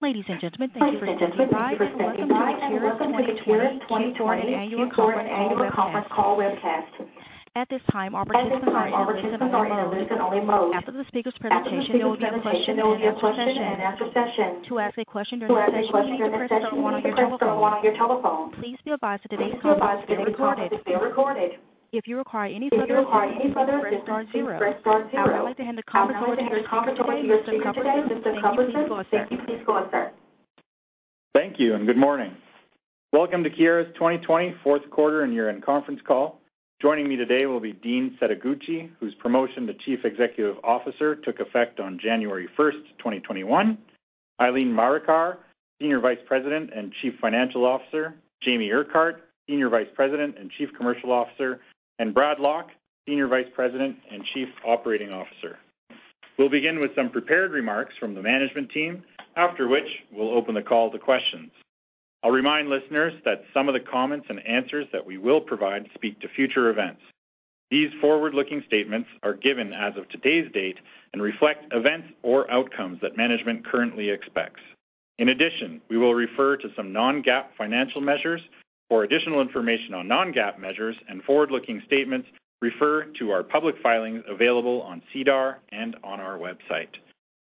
Ladies and gentlemen, thank you for standing by, and welcome to the Keyera 2020 annual conference call webcast. At this time, all participants are in a listen-only mode. After the speaker's presentation, there will be a question and answer session. To ask a question during the session, you may press star one on your telephone. Please be advised that today's call is being recorded. If you require any further assistance, press star zero. I would like to hand the conference over to your speaker today, Mr. Cuthbertson. Thank you. Please go ahead, sir. Thank you, good morning. Welcome to Keyera's 2020 fourth quarter and year-end conference call. Joining me today will be Dean Setoguchi, whose promotion to Chief Executive Officer took effect on January 1st, 2021, Eileen Marikar, Senior Vice President and Chief Financial Officer, Jamie Urquhart, Senior Vice President and Chief Commercial Officer, and Brad Lock, Senior Vice President and Chief Operating Officer. We'll begin with some prepared remarks from the management team, after which we'll open the call to questions. I'll remind listeners that some of the comments and answers that we will provide speak to future events. These forward-looking statements are given as of today's date and reflect events or outcomes that management currently expects. In addition, we will refer to some non-GAAP financial measures. For additional information on non-GAAP measures and forward-looking statements, refer to our public filings available on SEDAR and on our website.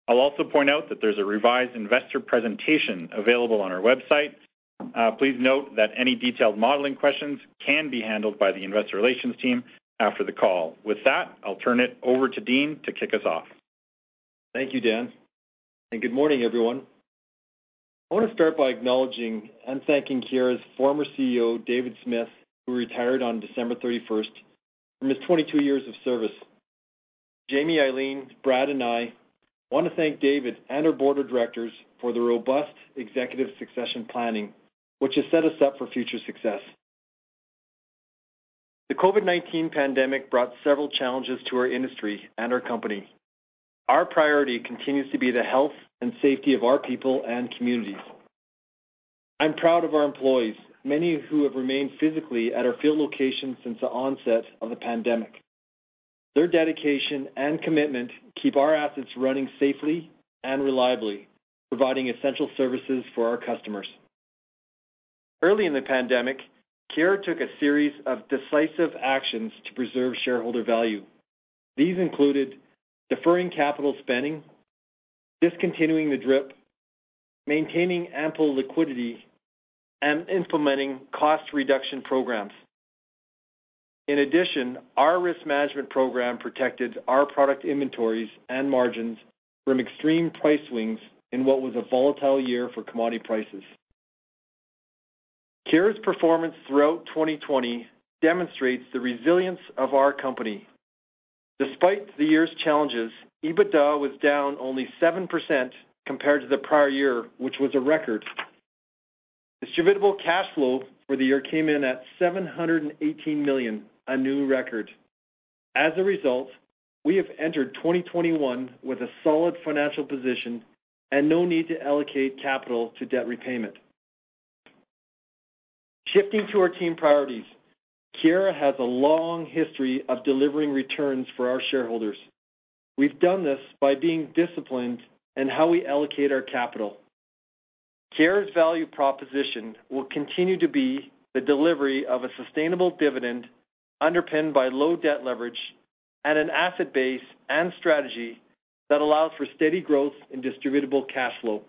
I'll also point out that there's a revised investor presentation available on our website. Please note that any detailed modeling questions can be handled by the investor relations team after the call. With that, I'll turn it over to Dean to kick us off. Thank you, Dan. Good morning, everyone. I want to start by acknowledging and thanking Keyera's former CEO, David Smith, who retired on December 31st, for his 22 years of service. Jamie, Eileen, Brad, and I want to thank David and our board of directors for the robust executive succession planning, which has set us up for future success. The COVID-19 pandemic brought several challenges to our industry and our company. Our priority continues to be the health and safety of our people and communities. I'm proud of our employees, many who have remained physically at our field locations since the onset of the pandemic. Their dedication and commitment keep our assets running safely and reliably, providing essential services for our customers. Early in the pandemic, Keyera took a series of decisive actions to preserve shareholder value. These included deferring capital spending, discontinuing the DRIP, maintaining ample liquidity, and implementing cost-reduction programs. In addition, our risk management program protected our product inventories and margins from extreme price swings in what was a volatile year for commodity prices. Keyera's performance throughout 2020 demonstrates the resilience of our company. Despite the year's challenges, EBITDA was down only 7% compared to the prior year, which was a record. Distributable cash flow for the year came in at 718 million, a new record. As a result, we have entered 2021 with a solid financial position and no need to allocate capital to debt repayment. Shifting to our team priorities, Keyera has a long history of delivering returns for our shareholders. We've done this by being disciplined in how we allocate our capital. Keyera's value proposition will continue to be the delivery of a sustainable dividend underpinned by low debt leverage and an asset base and strategy that allows for steady growth in distributable cash flow.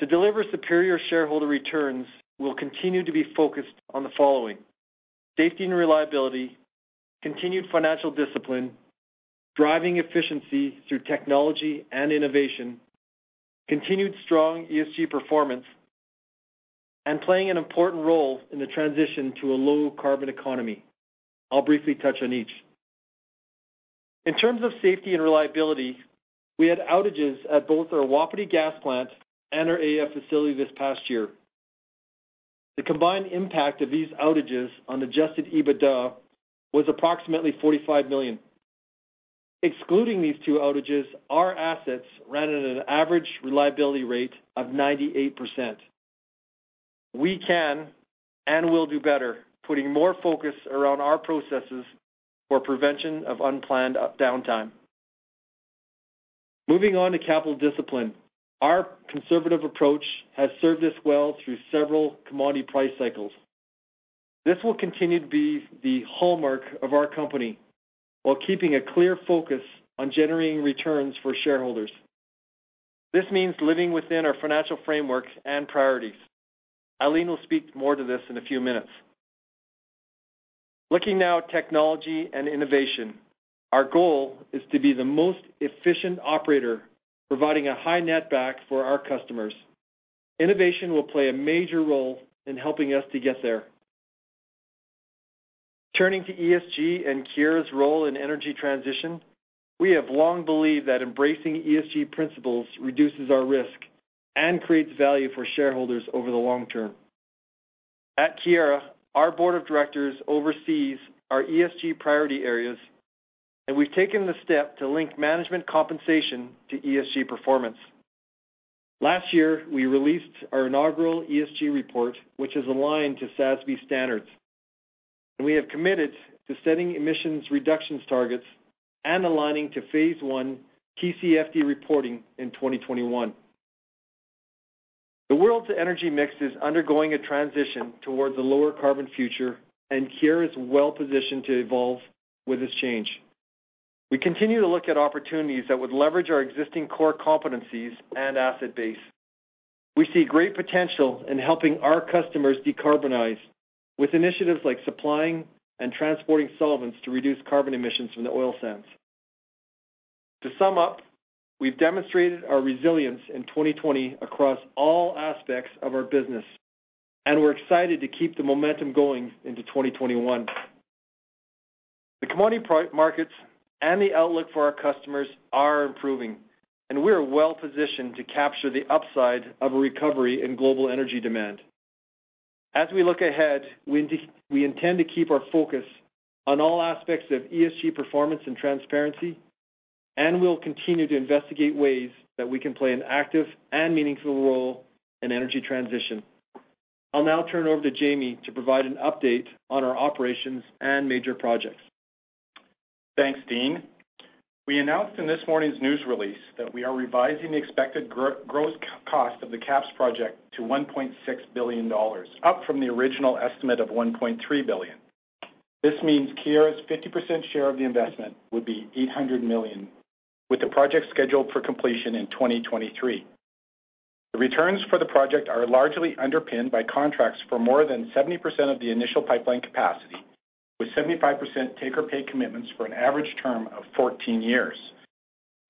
To deliver superior shareholder returns, we'll continue to be focused on the following: safety and reliability, continued financial discipline, driving efficiency through technology and innovation, continued strong ESG performance, and playing an important role in the transition to a low-carbon economy. I'll briefly touch on each. In terms of safety and reliability, we had outages at both our Wapiti Gas Plant and our AEF facility this past year. The combined impact of these outages on adjusted EBITDA was approximately 45 million. Excluding these two outages, our assets ran at an average reliability rate of 98%. We can and will do better, putting more focus around our processes for prevention of unplanned downtime. Moving on to capital discipline. Our conservative approach has served us well through several commodity price cycles. This will continue to be the hallmark of our company while keeping a clear focus on generating returns for shareholders. This means living within our financial framework and priorities. Eileen will speak more to this in a few minutes. Looking now at technology and innovation. Our goal is to be the most efficient operator, providing a high netback for our customers. Innovation will play a major role in helping us to get there. Turning to ESG and Keyera's role in energy transition, we have long believed that embracing ESG principles reduces our risk and creates value for shareholders over the long term. At Keyera, our board of directors oversees our ESG priority areas, and we've taken the step to link management compensation to ESG performance. Last year, we released our inaugural ESG report, which is aligned to SASB standards. We have committed to setting emissions reductions targets and aligning to phase I TCFD reporting in 2021. The world's energy mix is undergoing a transition towards a lower carbon future. Keyera is well-positioned to evolve with this change. We continue to look at opportunities that would leverage our existing core competencies and asset base. We see great potential in helping our customers decarbonize with initiatives like supplying and transporting solvents to reduce carbon emissions from the oil sands. To sum up, we've demonstrated our resilience in 2020 across all aspects of our business. We're excited to keep the momentum going into 2021. The commodity markets and the outlook for our customers are improving. We are well-positioned to capture the upside of a recovery in global energy demand. As we look ahead, we intend to keep our focus on all aspects of ESG performance and transparency. We'll continue to investigate ways that we can play an active and meaningful role in energy transition. I'll now turn it over to Jamie to provide an update on our operations and major projects. Thanks, Dean. We announced in this morning's news release that we are revising the expected gross cost of the KAPS project to 1.6 billion dollars, up from the original estimate of 1.3 billion. This means Keyera's 50% share of the investment would be 800 million, with the project scheduled for completion in 2023. The returns for the project are largely underpinned by contracts for more than 70% of the initial pipeline capacity, with 75% take-or-pay commitments for an average term of 14 years.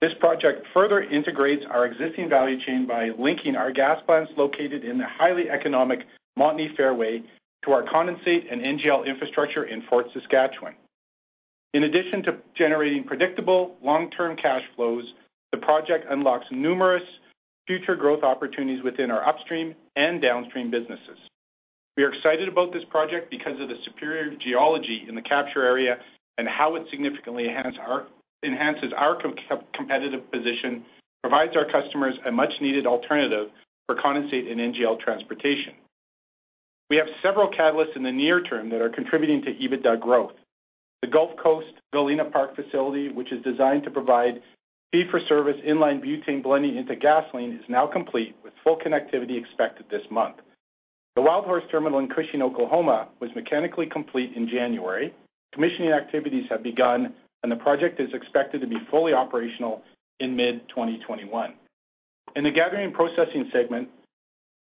This project further integrates our existing value chain by linking our gas plants located in the highly economic Montney fairway to our condensate and NGL infrastructure in Fort Saskatchewan. In addition to generating predictable long-term cash flows, the project unlocks numerous future growth opportunities within our upstream and downstream businesses. We are excited about this project because of the superior geology in the capture area and how it significantly enhances our competitive position, provides our customers a much-needed alternative for condensate and NGL transportation. We have several catalysts in the near term that are contributing to EBITDA growth. The Gulf Coast Galena Park facility, which is designed to provide fee-for-service in-line butane blending into gasoline, is now complete with full connectivity expected this month. The Wildhorse terminal in Cushing, Oklahoma, was mechanically complete in January. Commissioning activities have begun, and the project is expected to be fully operational in mid-2021. In the Gathering & Processing segment,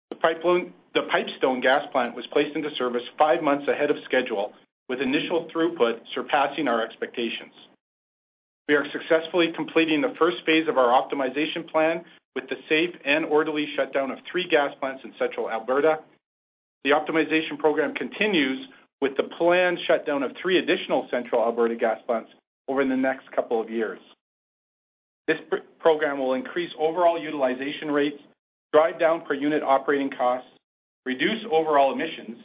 the Pipestone gas plant was placed into service five months ahead of schedule, with initial throughput surpassing our expectations. We are successfully completing the first phase of our optimization plan with the safe and orderly shutdown of three gas plants in central Alberta. The optimization program continues with the planned shutdown of three additional central Alberta gas plants over the next couple of years. This program will increase overall utilization rates, drive down per-unit operating costs, reduce overall emissions,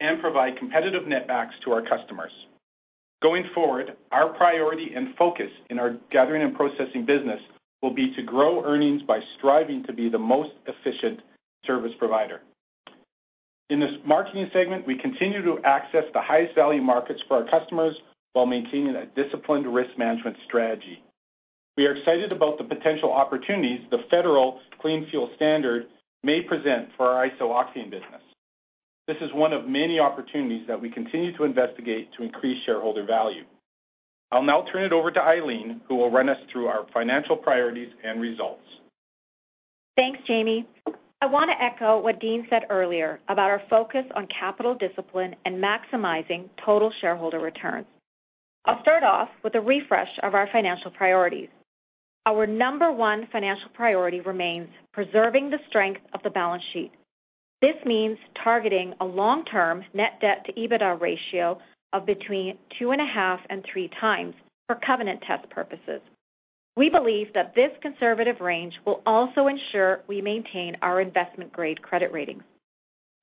and provide competitive netbacks to our customers. Going forward, our priority and focus in our Gathering & Processing business will be to grow earnings by striving to be the most efficient service provider. In this marketing segment, we continue to access the highest-value markets for our customers while maintaining a disciplined risk management strategy. We are excited about the potential opportunities the federal Clean Fuel Standard may present for our isooctane business. This is one of many opportunities that we continue to investigate to increase shareholder value. I'll now turn it over to Eileen, who will run us through our financial priorities and results. Thanks, Jamie. I want to echo what Dean said earlier about our focus on capital discipline and maximizing total shareholder returns. I'll start off with a refresh of our financial priorities. Our number one financial priority remains preserving the strength of the balance sheet. This means targeting a long-term net debt to EBITDA ratio of between 2.5 and 3 times for covenant test purposes. We believe that this conservative range will also ensure we maintain our investment-grade credit rating.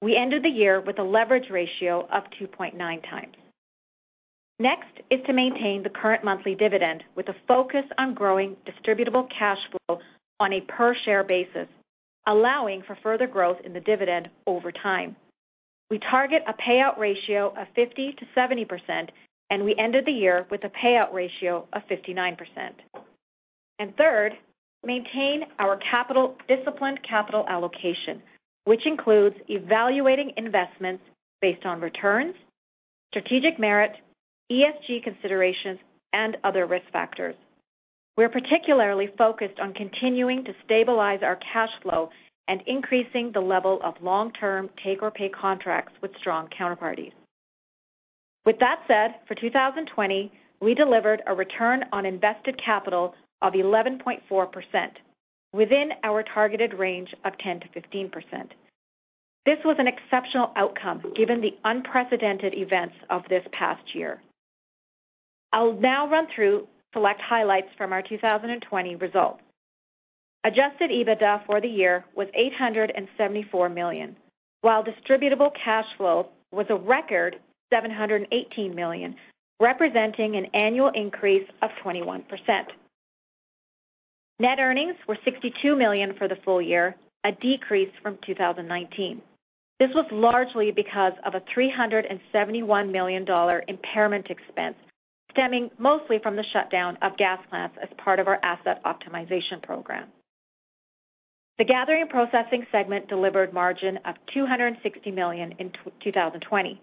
We ended the year with a leverage ratio of 2.9 times. Next is to maintain the current monthly dividend with a focus on growing distributable cash flow on a per-share basis, allowing for further growth in the dividend over time. We target a payout ratio of 50%-70%, and we ended the year with a payout ratio of 59%. Third, maintain our disciplined capital allocation, which includes evaluating investments based on returns, strategic merit, ESG considerations, and other risk factors. We're particularly focused on continuing to stabilize our cash flow and increasing the level of long-term take-or-pay contracts with strong counterparties. With that said, for 2020, we delivered a return on invested capital of 11.4%, within our targeted range of 10%-15%. This was an exceptional outcome given the unprecedented events of this past year. I'll now run through select highlights from our 2020 results. Adjusted EBITDA for the year was 874 million, while distributable cash flow was a record 718 million, representing an annual increase of 21%. Net earnings were 62 million for the full year, a decrease from 2019. This was largely because of a 371 million dollar impairment expense, stemming mostly from the shutdown of gas plants as part of our asset optimization program. The Gathering & Processing segment delivered margin of 260 million in 2020,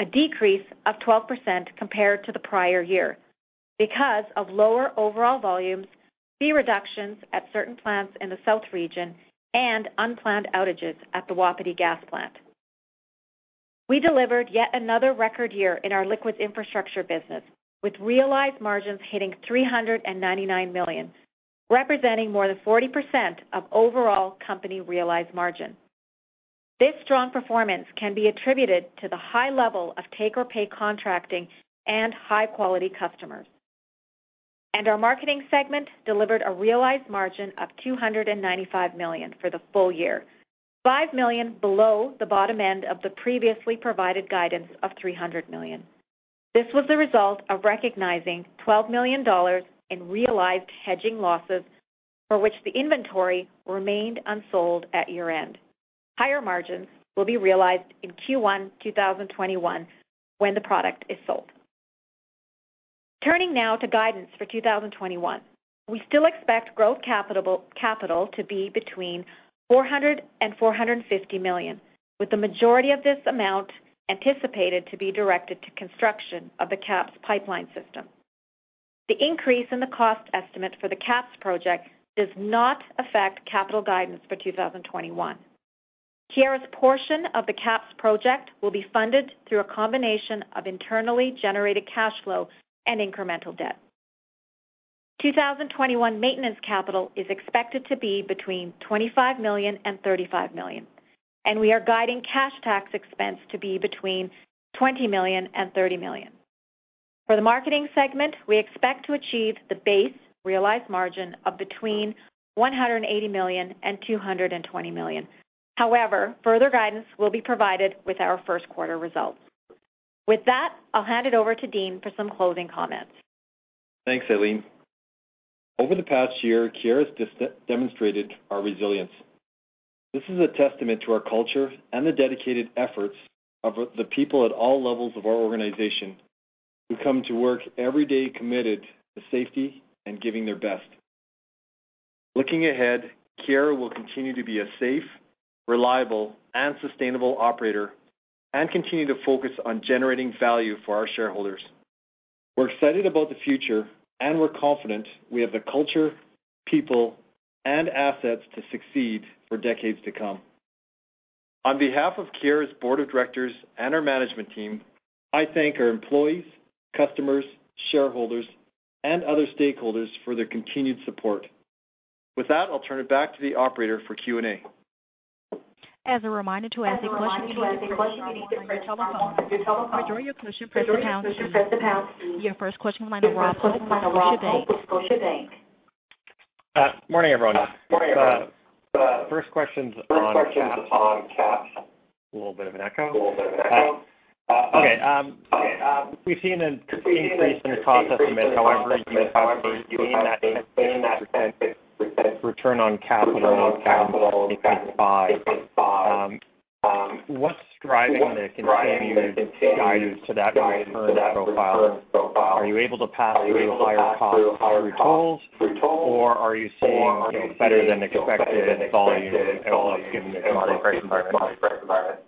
a decrease of 12% compared to the prior year because of lower overall volumes, fee reductions at certain plants in the south region, and unplanned outages at the Wapiti Gas Plant. We delivered yet another record year in our liquids infrastructure business, with realized margins hitting 399 million, representing more than 40% of overall company realized margin. This strong performance can be attributed to the high level of take-or-pay contracting and high-quality customers. Our marketing segment delivered a realized margin of 295 million for the full year, 5 million below the bottom end of the previously provided guidance of 300 million. This was the result of recognizing 12 million dollars in realized hedging losses, for which the inventory remained unsold at year-end. Higher margins will be realized in Q1 2021 when the product is sold. Turning now to guidance for 2021. We still expect growth capital to be between 400 million and 450 million, with the majority of this amount anticipated to be directed to construction of the KAPS pipeline system. The increase in the cost estimate for the KAPS project does not affect capital guidance for 2021. Keyera's portion of the KAPS project will be funded through a combination of internally generated cash flow and incremental debt. 2021 maintenance capital is expected to be between 25 million and 35 million, and we are guiding cash tax expense to be between 20 million and 30 million. For the marketing segment, we expect to achieve the base realized margin of between 180 million and 220 million. However, further guidance will be provided with our first quarter results. With that, I'll hand it over to Dean for some closing comments. Thanks, Eileen. Over the past year, Keyera has demonstrated our resilience. This is a testament to our culture and the dedicated efforts of the people at all levels of our organization, who come to work every day committed to safety and giving their best. Looking ahead, Keyera will continue to be a safe, reliable, and sustainable operator and continue to focus on generating value for our shareholders. We're excited about the future, and we're confident we have the culture, people, and assets to succeed for decades to come. On behalf of Keyera's Board of Directors and our management team, I thank our employees, customers, shareholders, and other stakeholders for their continued support. With that, I'll turn it back to the operator for Q&A. As a reminder, to ask a question, please press star on your telephone. To withdraw your question, press the pound key. Your first question on the line of Rob Hope with Scotiabank. Morning, everyone. The first question's on KAPS. A little bit of an echo. Okay. We've seen an increase in the cost estimate, however, you have maintained that 10%-15% return on capital on KAPS, 8.5. What's driving the continued guidance to that return profile? Are you able to pass through higher costs through tolls, or are you seeing better than expected volume and all that given the commodity price environment?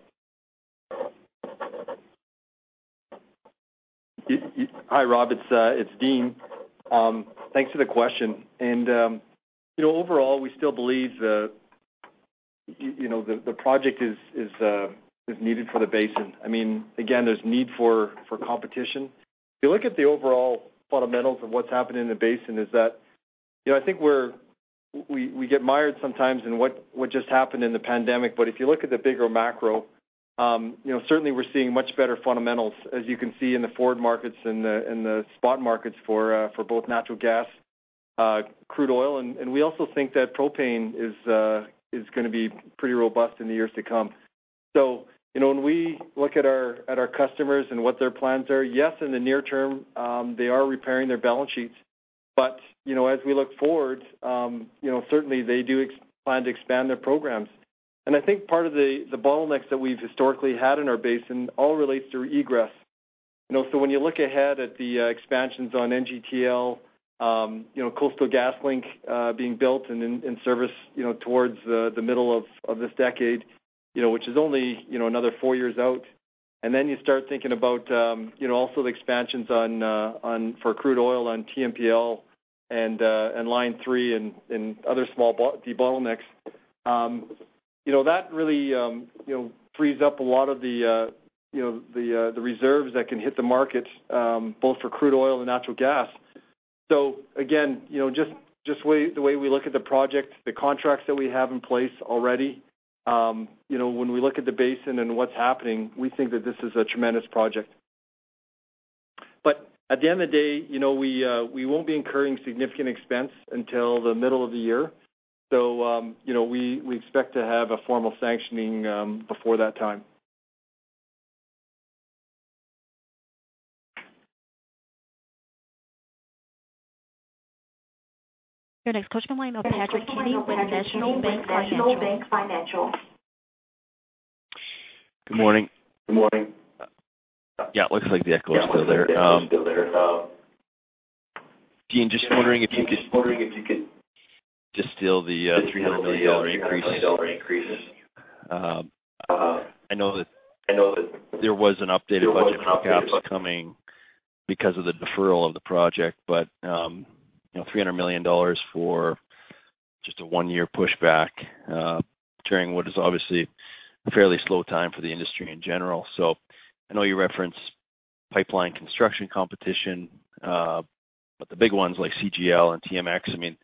Hi, Rob, it's Dean. Thanks for the question. Overall, we still believe the project is needed for the basin. Again, there's need for competition. If you look at the overall fundamentals of what's happening in the basin, is that I think we get mired sometimes in what just happened in the pandemic. If you look at the bigger macro, certainly we're seeing much better fundamentals, as you can see in the forward markets and the spot markets for both natural gas, crude oil, and we also think that propane is going to be pretty robust in the years to come. When we look at our customers and what their plans are, yes, in the near term, they are repairing their balance sheets. As we look forward, certainly they do plan to expand their programs. I think part of the bottlenecks that we've historically had in our basin all relates to egress. When you look ahead at the expansions on NGTL, Coastal GasLink being built and in service towards the middle of this decade, which is only another four years out, and then you start thinking about also the expansions for crude oil on TMPL and Line 3 and other small debottlenecks. That really frees up a lot of the reserves that can hit the market, both for crude oil and natural gas. Again, just the way we look at the project, the contracts that we have in place already, when we look at the basin and what's happening, we think that this is a tremendous project. At the end of the day, we won't be incurring significant expense until the middle of the year, so we expect to have a formal sanctioning before that time. Your next question coming from Patrick Kenny with National Bank Financial. Good morning. Good morning. It looks like the echo is still there. Dean, just wondering if you could distill the 300 million dollar increase. I know that there was an updated budget for KAPS coming because of the deferral of the project, but 300 million dollars for just a one year pushback during what is obviously a fairly slow time for the industry in general. I know you referenced pipeline construction competition, but the big ones like CGL and TMX,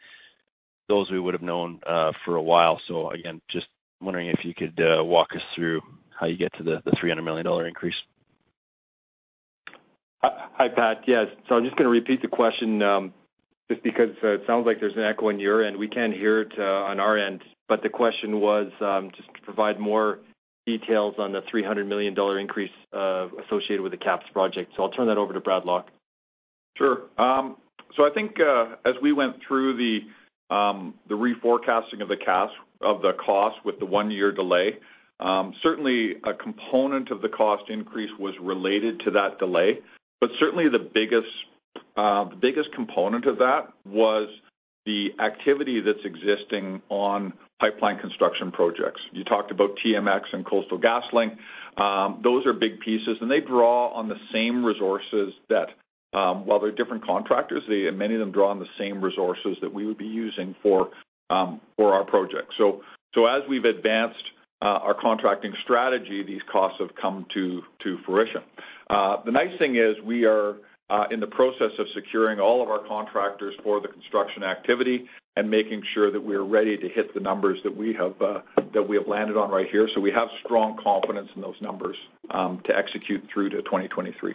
those we would've known for a while. Again, just wondering if you could walk us through how you get to the 300 million dollar increase. Hi, Pat. Yes. I'm just going to repeat the question, just because it sounds like there's an echo on your end. We can't hear it on our end, but the question was just to provide more details on the 300 million dollar increase associated with the KAPS project. I'll turn that over to Brad Lock. Sure. I think, as we went through the reforecasting of the cost with the one year delay, certainly a component of the cost increase was related to that delay. Certainly the biggest component of that was the activity that's existing on pipeline construction projects. You talked about TMX and Coastal GasLink. Those are big pieces, and they draw on the same resources that, while they're different contractors, many of them draw on the same resources that we would be using for our project. As we've advanced our contracting strategy, these costs have come to fruition. The nice thing is, we are in the process of securing all of our contractors for the construction activity and making sure that we are ready to hit the numbers that we have landed on right here. We have strong confidence in those numbers to execute through to 2023.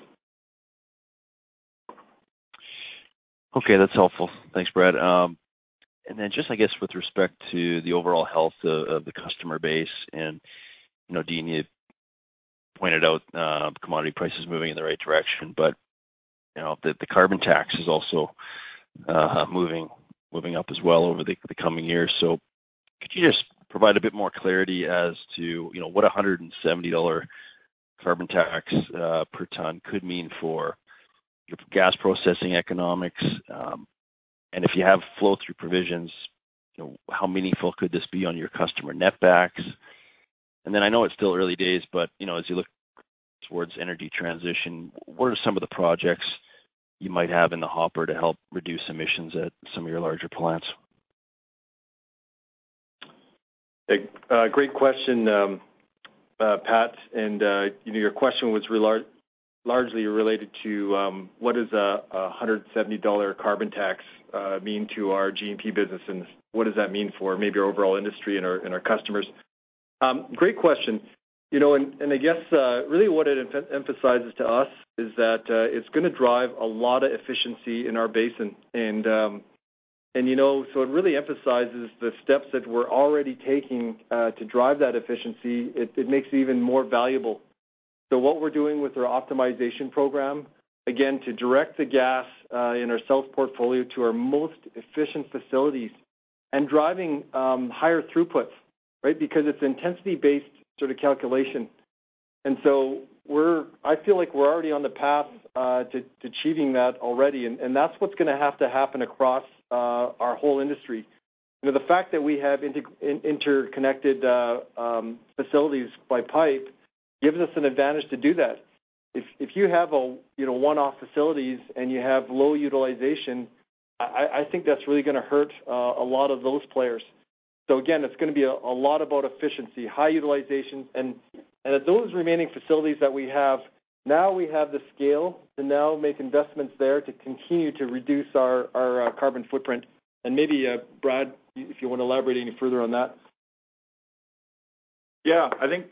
Okay, that's helpful. Thanks, Brad. With respect to the overall health of the customer base, Dean, you pointed out commodity prices moving in the right direction, but the carbon tax is also moving up as well over the coming years. Could you just provide a bit more clarity as to what 170 dollar carbon tax per ton could mean for your gas processing economics? If you have flow-through provisions, how meaningful could this be on your customer netbacks? I know it's still early days, but as you look towards energy transition, what are some of the projects you might have in the hopper to help reduce emissions at some of your larger plants? Great question, Pat, and your question was largely related to what does 170 dollar carbon tax mean to our G&P business, and what does that mean for maybe our overall industry and our customers? Great question. I guess, really what it emphasizes to us is that it's going to drive a lot of efficiency in our basin. It really emphasizes the steps that we're already taking to drive that efficiency. It makes it even more valuable. What we're doing with our optimization program, again, to direct the gas in our sales portfolio to our most efficient facilities and driving higher throughputs, right? Because it's intensity-based sort of calculation. I feel like we're already on the path to achieving that already, and that's what's going to have to happen across our whole industry. The fact that we have interconnected facilities by pipe gives us an advantage to do that. If you have one-off facilities and you have low utilization, I think that's really going to hurt a lot of those players. Again, it's going to be a lot about efficiency, high utilization, and at those remaining facilities that we have, now we have the scale to now make investments there to continue to reduce our carbon footprint. Maybe, Brad, if you want to elaborate any further on that.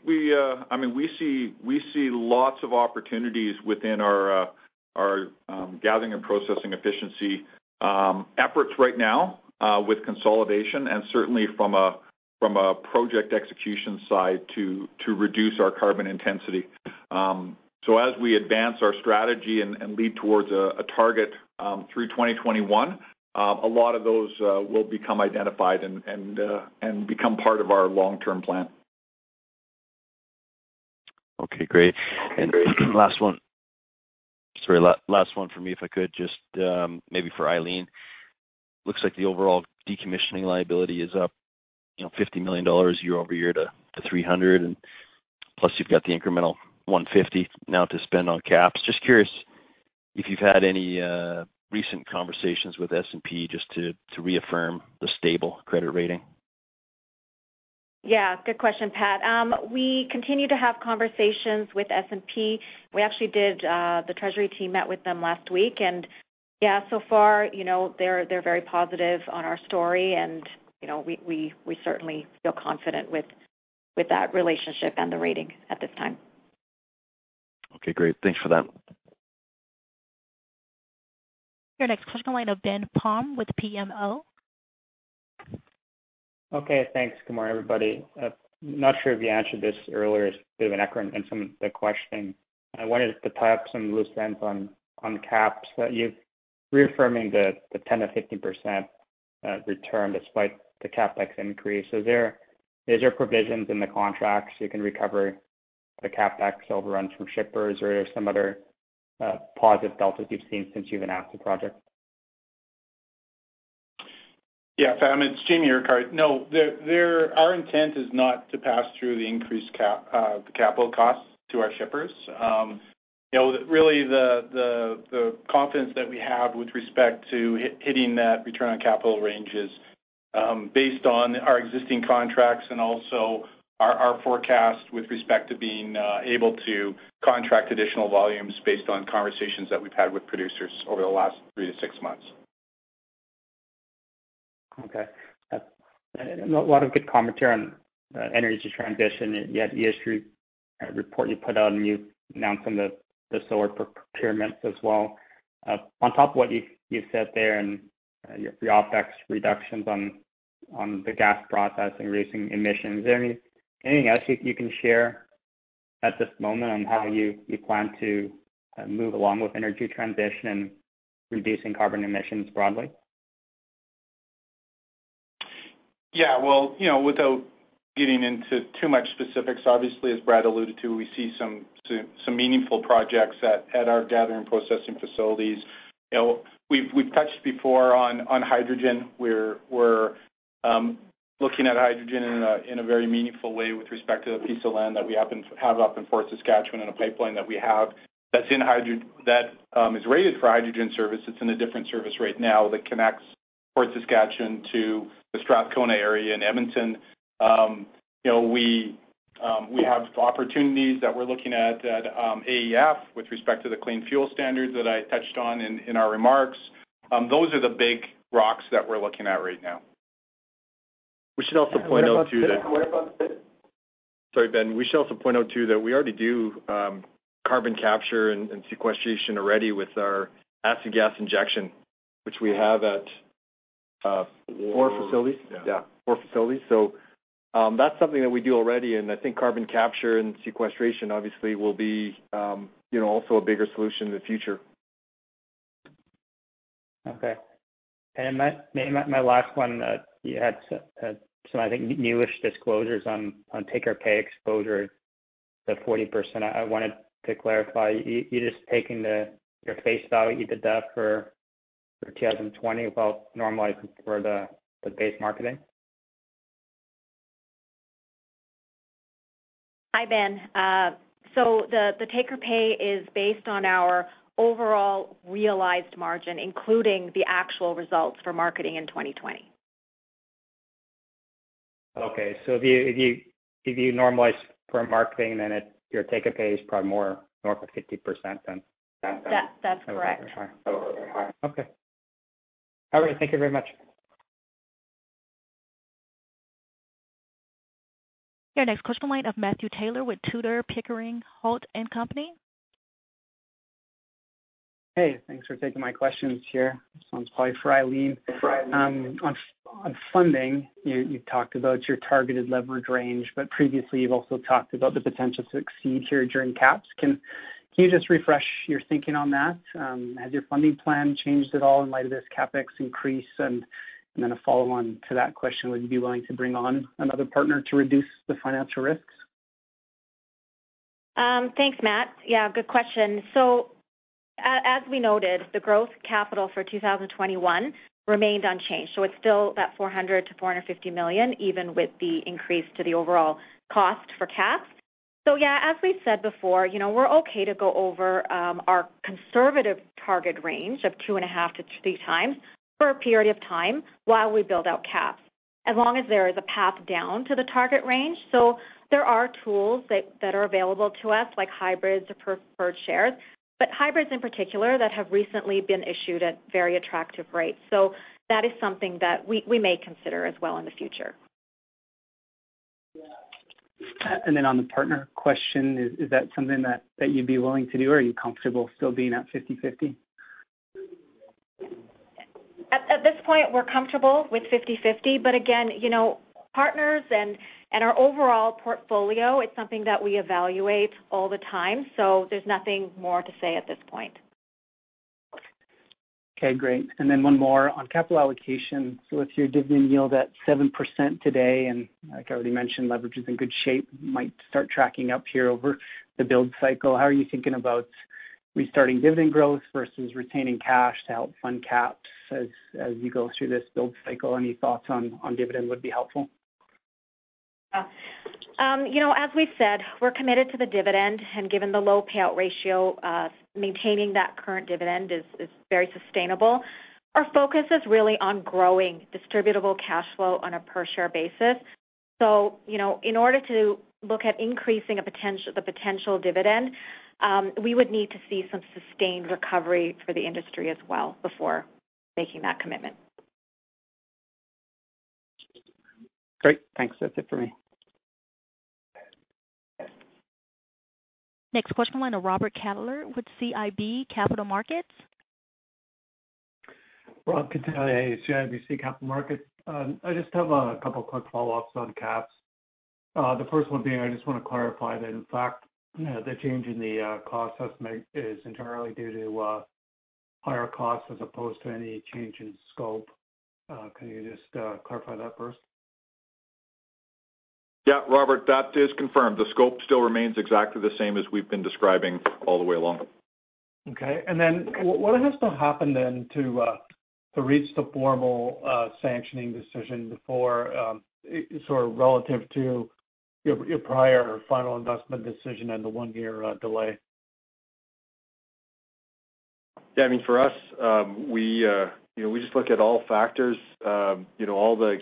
We see lots of opportunities within our Gathering & Processing efficiency efforts right now, with consolidation and certainly from a project execution side, to reduce our carbon intensity. As we advance our strategy and lead towards a target through 2021, a lot of those will become identified and become part of our long-term plan. Okay, great. Last one for me, if I could, just maybe for Eileen. Looks like the overall decommissioning liability is up 50 million dollars year-over-year to 300 million, and plus you've got the incremental 150 million now to spend on KAPS. Just curious if you've had any recent conversations with S&P just to reaffirm the stable credit rating. Yeah, good question, Pat. We continue to have conversations with S&P. We actually did. The treasury team met with them last week, and yeah, so far, they're very positive on our story, and we certainly feel confident with that relationship and the rating at this time. Okay, great. Thanks for that. Your next question, line of Ben Pham with BMO. Okay. Thanks. Good morning, everybody. I'm not sure if you answered this earlier, it's a bit of an echo in some of the questioning. I wanted to tie up some loose ends on KAPS that you've reaffirming the 10%-15% return despite the CapEx increase. Is there provisions in the contracts you can recover the CapEx overruns from shippers or are there some other positive deltas you've seen since you've announced the project? Yeah. It's Jamie. No, our intent is not to pass through the increased capital costs to our shippers. Really, the confidence that we have with respect to hitting that return on capital range is based on our existing contracts and also our forecast with respect to being able to contract additional volumes based on conversations that we've had with producers over the last three to six months. Okay. A lot of good commentary on energy transition. You had the ESG report you put out, and you announced some of the solar procurements as well. On top of what you said there and your OpEx reductions on the gas processing, reducing emissions, is there anything else you can share at this moment on how you plan to move along with energy transition and reducing carbon emissions broadly? Yeah. Well, without getting into too much specifics, obviously, as Brad alluded to, we see some meaningful projects at our Gathering & Processing facilities. We've touched before on hydrogen. We're looking at hydrogen in a very meaningful way with respect to the piece of land that we happen to have up in Fort Saskatchewan and a pipeline that we have that is rated for hydrogen service. It's in a different service right now that connects Fort Saskatchewan to the Strathcona area in Edmonton. We have opportunities that we're looking at AEF, with respect to the Clean Fuel Standard that I touched on in our remarks. Those are the big rocks that we're looking at right now. We should also point out, too. What about. Sorry, Ben. We should also point out too that we already do carbon capture and sequestration already with our acid gas injection, which we have at four. Four facilities. Yeah, four facilities. That's something that we do already, and I think carbon capture and sequestration obviously will be also a bigger solution in the future. Okay. My last one, you had some, I think, newish disclosures on take-or-pay exposure, the 40%. I wanted to clarify, you're just taking your face value to debt for 2020 while normalizing for the base marketing? Hi, Ben. The take-or-pay is based on our overall realized margin, including the actual results for marketing in 2020. Okay. If you normalize for marketing, then your take-or-pay is probably more north of 50% then? That's correct. Okay. All right. Thank you very much. Your next question to the line of Matthew Taylor with Tudor, Pickering, Holt & Company. Hey, thanks for taking my questions here. This one's probably for Eileen. It's for Eileen. On funding, you talked about your targeted leverage range, previously you've also talked about the potential to exceed here during KAPS. Can you just refresh your thinking on that? Has your funding plan changed at all in light of this CapEx increase? A follow-on to that question, would you be willing to bring on another partner to reduce the financial risks? Thanks, Matt. Yeah, good question. As we noted, the growth capital for 2021 remained unchanged, so it's still that 400 million-450 million, even with the increase to the overall cost for KAPS. Yeah, as we've said before, we're okay to go over our conservative target range of 2.5-3 times for a period of time while we build out KAPS, as long as there is a path down to the target range. There are tools that are available to us, like hybrids or preferred shares, but hybrids in particular that have recently been issued at very attractive rates. That is something that we may consider as well in the future. On the partner question, is that something that you'd be willing to do, or are you comfortable still being at 50/50? At this point, we're comfortable with 50/50. Again, partners and our overall portfolio, it's something that we evaluate all the time. There's nothing more to say at this point. Okay, great. One more on capital allocation. With your dividend yield at 7% today, like I already mentioned, leverage is in good shape, might start tracking up here over the build cycle. How are you thinking about restarting dividend growth versus retaining cash to help fund KAPS as you go through this build cycle? Any thoughts on dividend would be helpful. As we said, we're committed to the dividend, and given the low payout ratio, maintaining that current dividend is very sustainable. In order to look at increasing the potential dividend, we would need to see some sustained recovery for the industry as well before making that commitment. Great. Thanks. That's it for me. Next question, line to Robert Catellier with CIBC Capital Markets. Robert Catellier, CIBC Capital Markets. I just have a couple quick follow-ups on KAPS. The first one being, I just want to clarify that, in fact, the change in the cost estimate is entirely due to higher costs as opposed to any change in scope. Can you just clarify that first? Yeah, Robert, that is confirmed. The scope still remains exactly the same as we've been describing all the way along. Okay. What has to happen then to reach the formal sanctioning decision before, sort of relative to your prior final investment decision and the one year delay? Yeah, for us, we just look at all factors. All the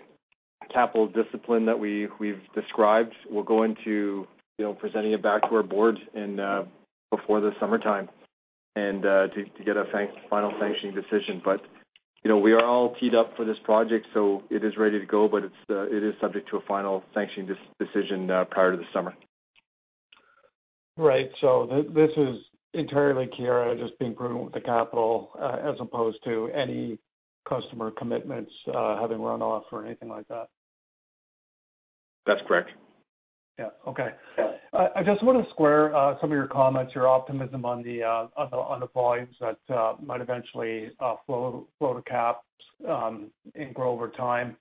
capital discipline that we've described will go into presenting it back to our board before the summertime to get a final sanctioning decision. We are all teed up for this project, so it is ready to go, but it is subject to a final sanctioning decision prior to the summer. Right. This is entirely Keyera just being prudent with the capital, as opposed to any customer commitments having run off or anything like that. That's correct. Yeah. Okay. Yeah. I just want to square some of your comments, your optimism on the volumes that might eventually flow to KAPS, and grow over time,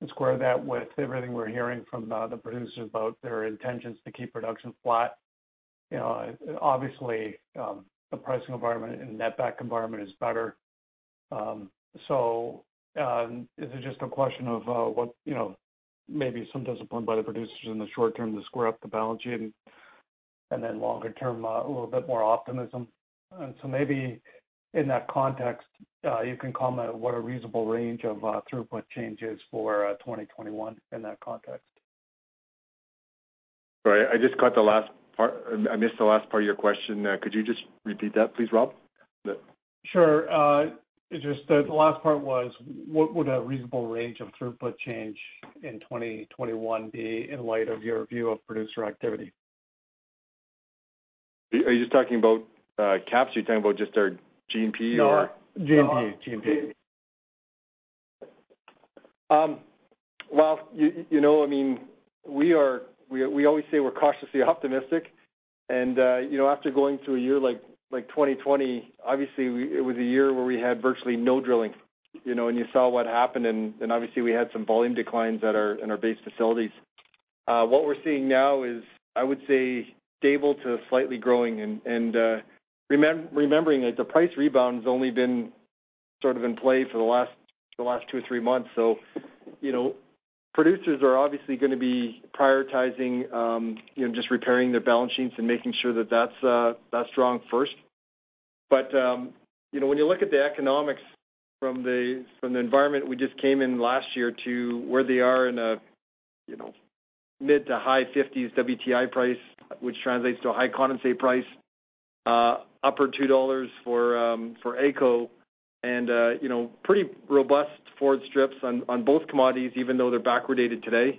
and square that with everything we're hearing from the producers about their intentions to keep production flat. Obviously, the pricing environment and net back environment is better. Is it just a question of what maybe some discipline by the producers in the short term to square up the balance sheet, and then longer term, a little bit more optimism? Maybe in that context, you can comment what a reasonable range of throughput change is for 2021 in that context. Sorry, I missed the last part of your question. Could you just repeat that please, Rob? Sure. The last part was, what would a reasonable range of throughput change in 2021 be in light of your view of producer activity? Are you just talking about KAPS or are you talking about just our G&P or. No. G&P. Well, we always say we're cautiously optimistic. After going through a year like 2020, obviously, it was a year where we had virtually no drilling, and you saw what happened, and obviously, we had some volume declines in our base facilities. What we're seeing now is, I would say, stable to slightly growing. Remembering that the price rebound's only been sort of in play for the last two or three months. Producers are obviously gonna be prioritizing just repairing their balance sheets and making sure that's strong first. When you look at the economics from the environment we just came in last year to where they are in a mid to high 50s WTI price, which translates to a high condensate price, upper CAD 2 for AECO, and pretty robust forward strips on both commodities, even though they're backwardated today.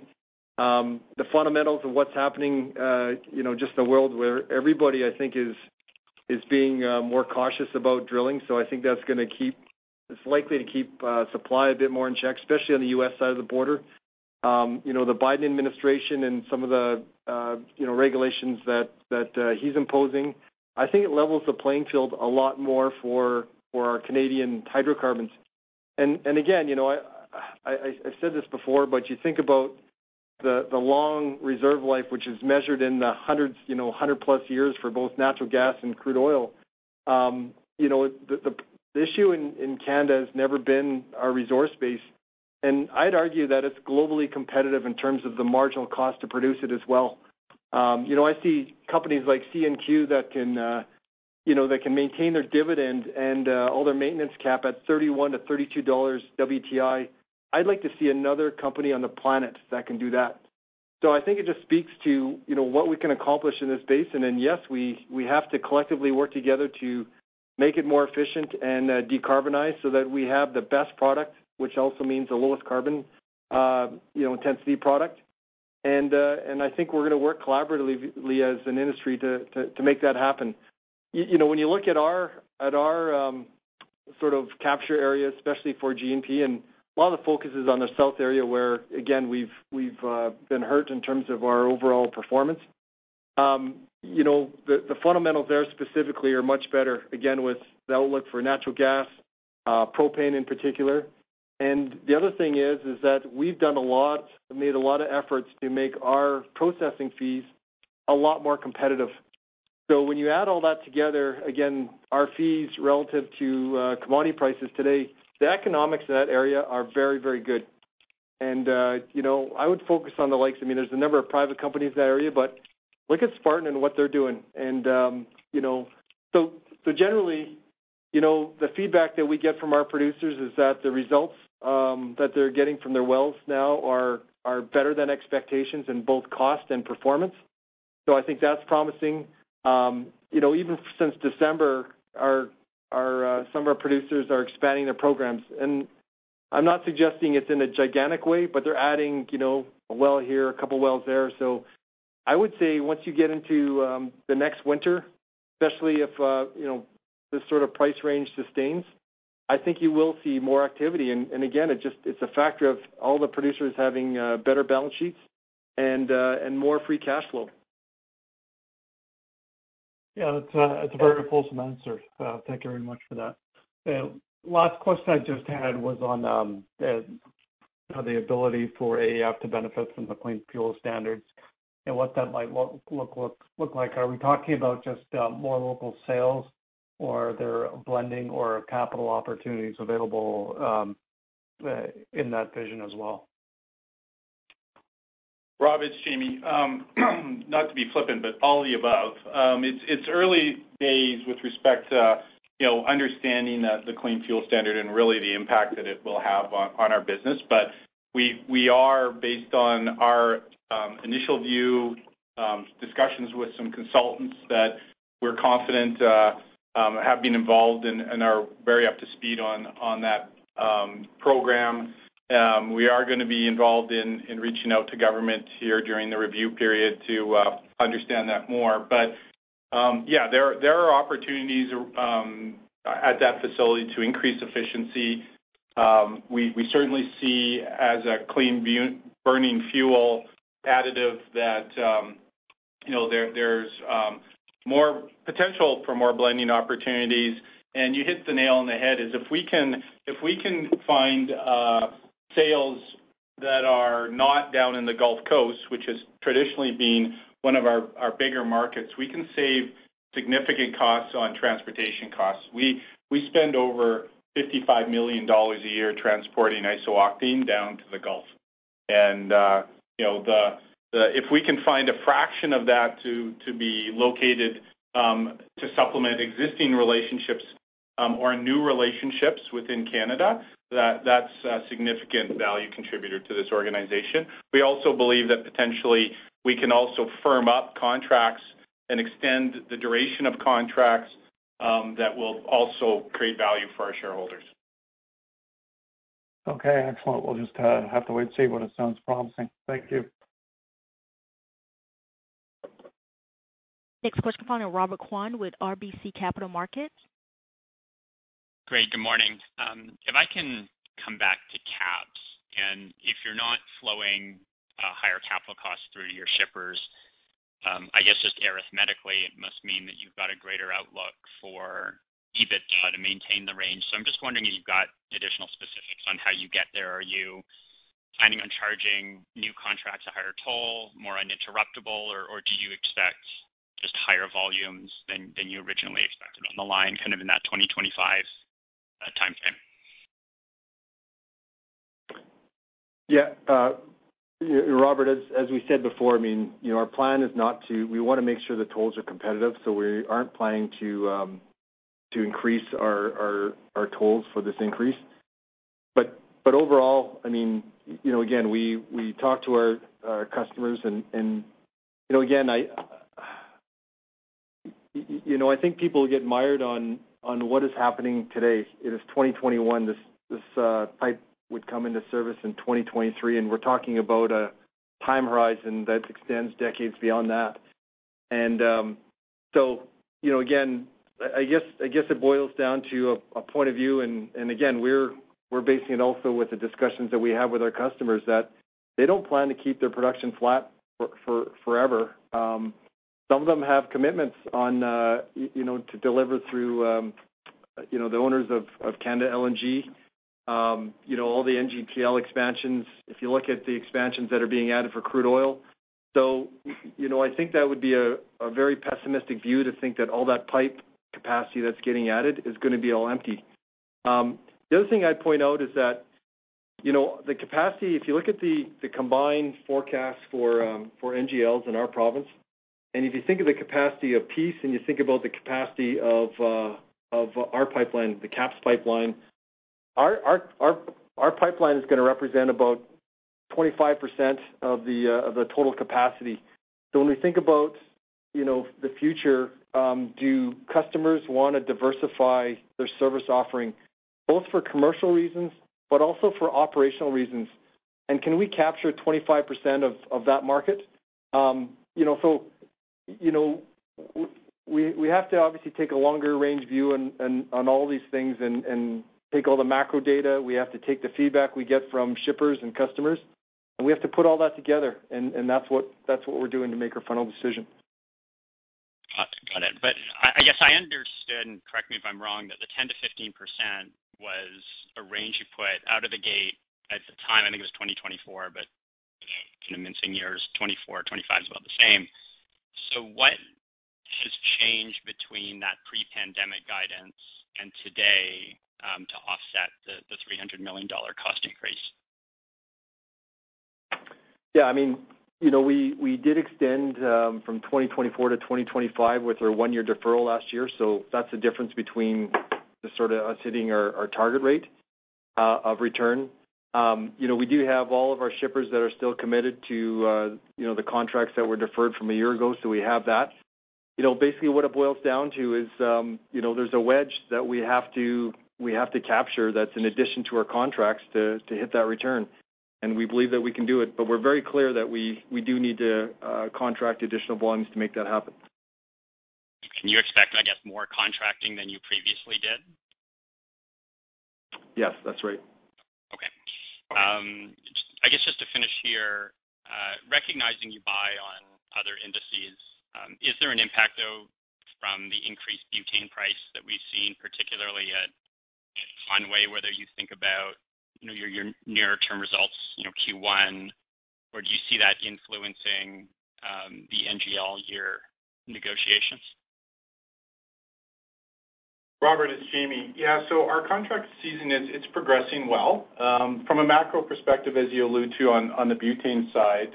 The fundamentals of what's happening, just in a world where everybody, I think, is being more cautious about drilling. I think that's likely to keep supply a bit more in check, especially on the U.S. side of the border. The Biden administration and some of the regulations that he's imposing, I think it levels the playing field a lot more for our Canadian hydrocarbons. Again, I said this before, but you think about the long reserve life, which is measured in the hundreds, 100+ years for both natural gas and crude oil. The issue in Canada has never been our resource base, and I'd argue that it's globally competitive in terms of the marginal cost to produce it as well. I see companies like CNQ that can maintain their dividend and all their maintenance cap at 31-32 dollars WTI. I'd like to see another company on the planet that can do that. I think it just speaks to what we can accomplish in this basin. Yes, we have to collectively work together to make it more efficient and decarbonized so that we have the best product, which also means the lowest carbon intensity product. I think we're gonna work collaboratively as an industry to make that happen. When you look at our sort of capture area, especially for G&P, and a lot of the focus is on the south area, where again, we've been hurt in terms of our overall performance. The fundamentals there specifically are much better, again, with the outlook for natural gas, propane in particular. The other thing is that we've made a lot of efforts to make our processing fees a lot more competitive. When you add all that together, again, our fees relative to commodity prices today, the economics of that area are very, very good. There's a number of private companies in that area, but look at Spartan and what they're doing. Generally, the feedback that we get from our producers is that the results that they're getting from their wells now are better than expectations in both cost and performance. I think that's promising. Even since December, some of our producers are expanding their programs. I'm not suggesting it's in a gigantic way, but they're adding a well here, a couple of wells there. I would say once you get into the next winter, especially if this sort of price range sustains, I think you will see more activity. Again, it's a factor of all the producers having better balance sheets and more free cash flow. Yeah. That's a very fulsome answer. Thank you very much for that. Last question I just had was on the ability for AEF to benefit from the Clean Fuel Standard and what that might look like. Are we talking about just more local sales or are there blending or capital opportunities available in that vision as well? Rob, it's Jamie. Not to be flippant, all of the above. It's early days with respect to understanding the Clean Fuel Standard and really the impact that it will have on our business. We are, based on our initial view, discussions with some consultants that we're confident have been involved and are very up to speed on that program. We are going to be involved in reaching out to government here during the review period to understand that more. Yeah, there are opportunities at that facility to increase efficiency. We certainly see as a clean burning fuel additive that there's potential for more blending opportunities. You hit the nail on the head, is if we can find sales that are not down in the Gulf Coast, which has traditionally been one of our bigger markets, we can save significant costs on transportation costs. We spend over 55 million dollars a year transporting isooctane down to the Gulf, and if we can find a fraction of that to be located to supplement existing relationships or new relationships within Canada, that's a significant value contributor to this organization. We also believe that potentially we can also firm up contracts and extend the duration of contracts that will also create value for our shareholders. Okay. Excellent. We'll just have to wait and see. It sounds promising. Thank you. Next question from Robert Kwan with RBC Capital Markets. Great. Good morning. If I can come back to KAPS, if you're not flowing higher capital costs through to your shippers, I guess just arithmetically, it must mean that you've got a greater outlook for EBITDA to maintain the range. I'm just wondering if you've got additional specifics on how you get there. Are you planning on charging new contracts a higher toll, more uninterruptible, or do you expect just higher volumes than you originally expected on the line, kind of in that 2025 timeframe? Yeah. Robert, as we said before, our plan is we want to make sure the tolls are competitive. We aren't planning to increase our tolls for this increase. Overall, again, we talk to our customers and again, I think people get mired on what is happening today. It is 2021. This pipe would come into service in 2023. We're talking about a time horizon that extends decades beyond that. Again, I guess it boils down to a point of view. Again, we're basing it also with the discussions that we have with our customers that they don't plan to keep their production flat forever. Some of them have commitments to deliver through the owners of LNG Canada, all the NGTL expansions, if you look at the expansions that are being added for crude oil. I think that would be a very pessimistic view to think that all that pipe capacity that's getting added is going to be all empty. The other thing I'd point out is that the capacity, if you look at the combined forecast for NGLs in our province, and if you think of the capacity of Peace and you think about the capacity of our pipeline, the KAPS pipeline, our pipeline is going to represent about 25% of the total capacity. When we think about the future, do customers want to diversify their service offering both for commercial reasons but also for operational reasons, and can we capture 25% of that market? We have to obviously take a longer range view on all these things and take all the macro data. We have to take the feedback we get from shippers and customers, and we have to put all that together, and that's what we're doing to make our final decision. Got it. I guess I understood, and correct me if I am wrong, that the 10%-15% was a range you put out of the gate at the time, I think it was 2024, but in a sense year, 2024, 2025 is about the same. What has changed between that pre-pandemic guidance and today to offset the 300 million dollar cost increase? Yeah, we did extend from 2024 to 2025 with our one-year deferral last year. That's the difference between just sort of us hitting our target rate of return. We do have all of our shippers that are still committed to the contracts that were deferred from a year ago. Basically what it boils down to is, there's a wedge that we have to capture that's in addition to our contracts to hit that return. We believe that we can do it, but we're very clear that we do need to contract additional volumes to make that happen. Can you expect, I guess, more contracting than you previously did? Yes, that's right. Okay. I guess just to finish here, recognizing you buy on other indices, is there an impact, though, from the increased butane price that we've seen, particularly at Conway, whether you think about your nearer term results, Q1, or do you see that influencing the NGL year negotiations? Robert, it's Jamie. Our contract season, it's progressing well. From a macro perspective, as you allude to on the butane side,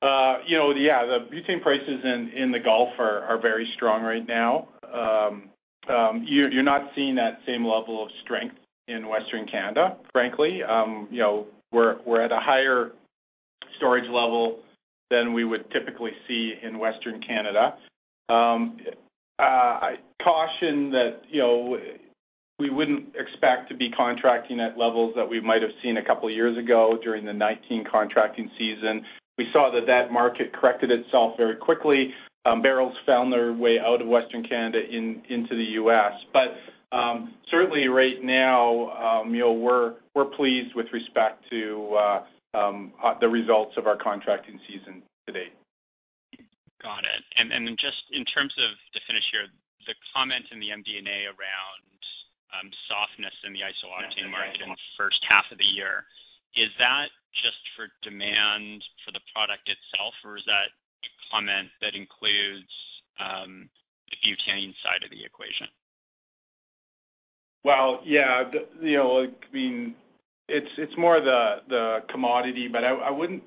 the butane prices in the Gulf are very strong right now. You're not seeing that same level of strength in Western Canada, frankly. We're at a higher storage level than we would typically see in Western Canada. I caution that we wouldn't expect to be contracting at levels that we might have seen a couple of years ago during the 2019 contracting season. We saw that that market corrected itself very quickly. Barrels found their way out of Western Canada into the U.S. Certainly right now, we're pleased with respect to the results of our contracting season to date. Got it. Then just in terms of, to finish here, the comment in the MD&A around softness in the isooctane market in the first half of the year, is that just for demand for the product itself, or is that a comment that includes the butane side of the equation? Well, yeah. It's more the commodity, but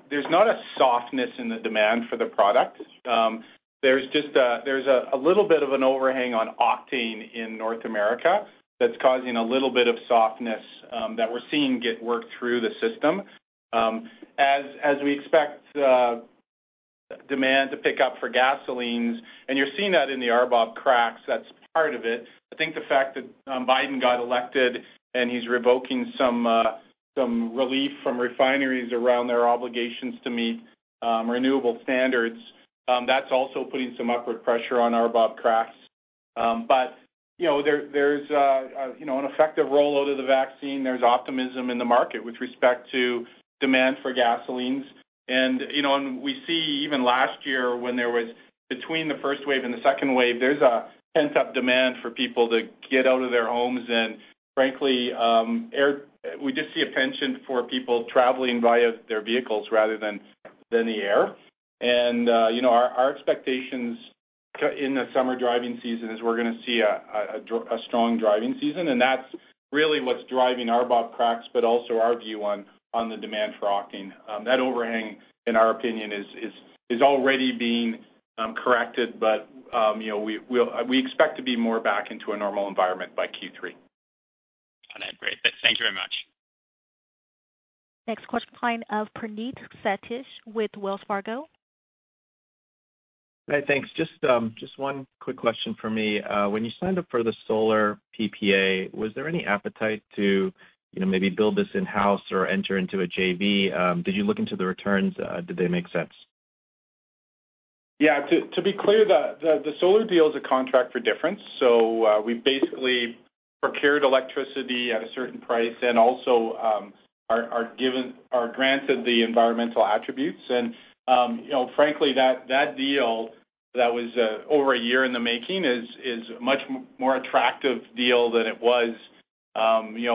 there's not a softness in the demand for the product. There's a little bit of an overhang on octane in North America that's causing a little bit of softness that we're seeing get worked through the system. We expect demand to pick up for gasolines, and you're seeing that in the RBOB cracks, that's part of it. I think the fact that Biden got elected and he's revoking some relief from refineries around their obligations to meet renewable standards, that's also putting some upward pressure on RBOB cracks. There's an effective rollout of the vaccine. There's optimism in the market with respect to demand for gasolines. We see even last year, when there was between the first wave and the second wave, there's a pent-up demand for people to get out of their homes. Frankly, we just see a penchant for people traveling via their vehicles rather than the air. Our expectations in the summer driving season is we're going to see a strong driving season, and that's really what's driving RBOB cracks, but also our view on the demand for octane. That overhang, in our opinion, is already being corrected, but we expect to be more back into a normal environment by Q3. Got it. Great. Thank you very much. Next question, line of Praneeth Satish with Wells Fargo. Hey, thanks. Just one quick question from me. When you signed up for the solar PPA, was there any appetite to maybe build this in-house or enter into a JV? Did you look into the returns? Did they make sense? Yeah. To be clear, the solar deal is a contract for difference. We basically procured electricity at a certain price and also are granted the environmental attributes. Frankly, that deal that was over a year in the making is a much more attractive deal than it was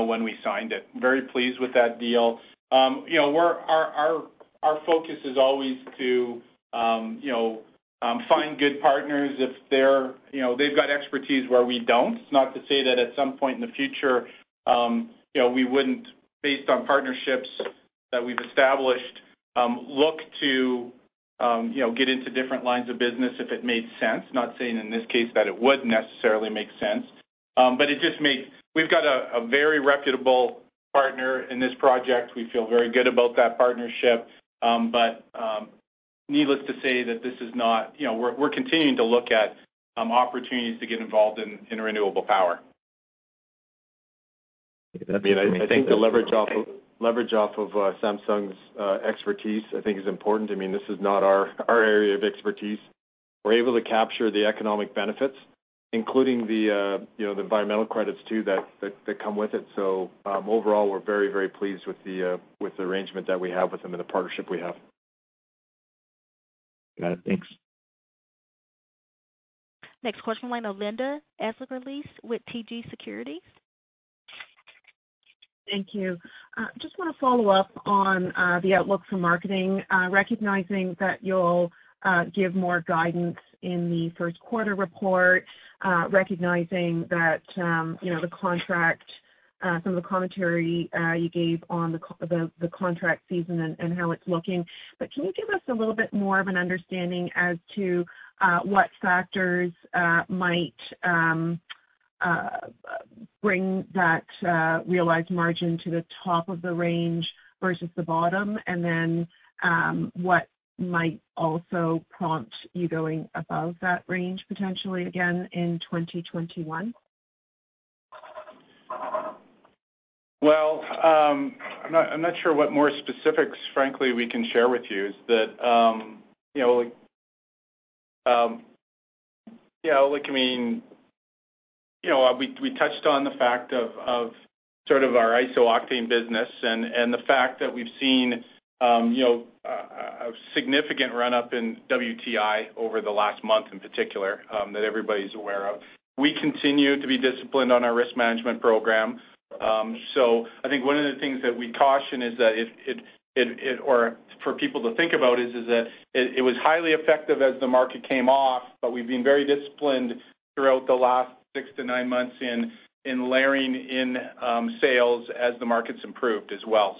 when we signed it. Very pleased with that deal. Our focus is always to find good partners if they've got expertise where we don't. It's not to say that at some point in the future, we wouldn't, based on partnerships that we've established, look to get into different lines of business if it made sense. Not saying in this case that it would necessarily make sense. We've got a very reputable partner in this project. We feel very good about that partnership. Needless to say that we're continuing to look at opportunities to get involved in renewable power. I think the leverage off of Samsung's expertise, I think is important. This is not our area of expertise. We're able to capture the economic benefits, including the environmental credits, too, that come with it. Overall, we're very, very pleased with the arrangement that we have with them and the partnership we have. Got it. Thanks. Next question, line of Linda Ezergailis with TD Securities. Thank you. Just want to follow up on the outlook for marketing, recognizing that you'll give more guidance in the first quarter report, recognizing that some of the commentary you gave on the contract season and how it's looking. Can you give us a little bit more of an understanding as to what factors might bring that realized margin to the top of the range versus the bottom, and then what might also prompt you going above that range potentially again in 2021? I'm not sure what more specifics, frankly, we can share with you. We touched on the fact of our isooctane business and the fact that we've seen a significant run-up in WTI over the last month in particular, that everybody's aware of. We continue to be disciplined on our risk management program. I think one of the things that we caution or for people to think about is that it was highly effective as the market came off, but we've been very disciplined throughout the last six to nine months in layering in sales as the market's improved as well.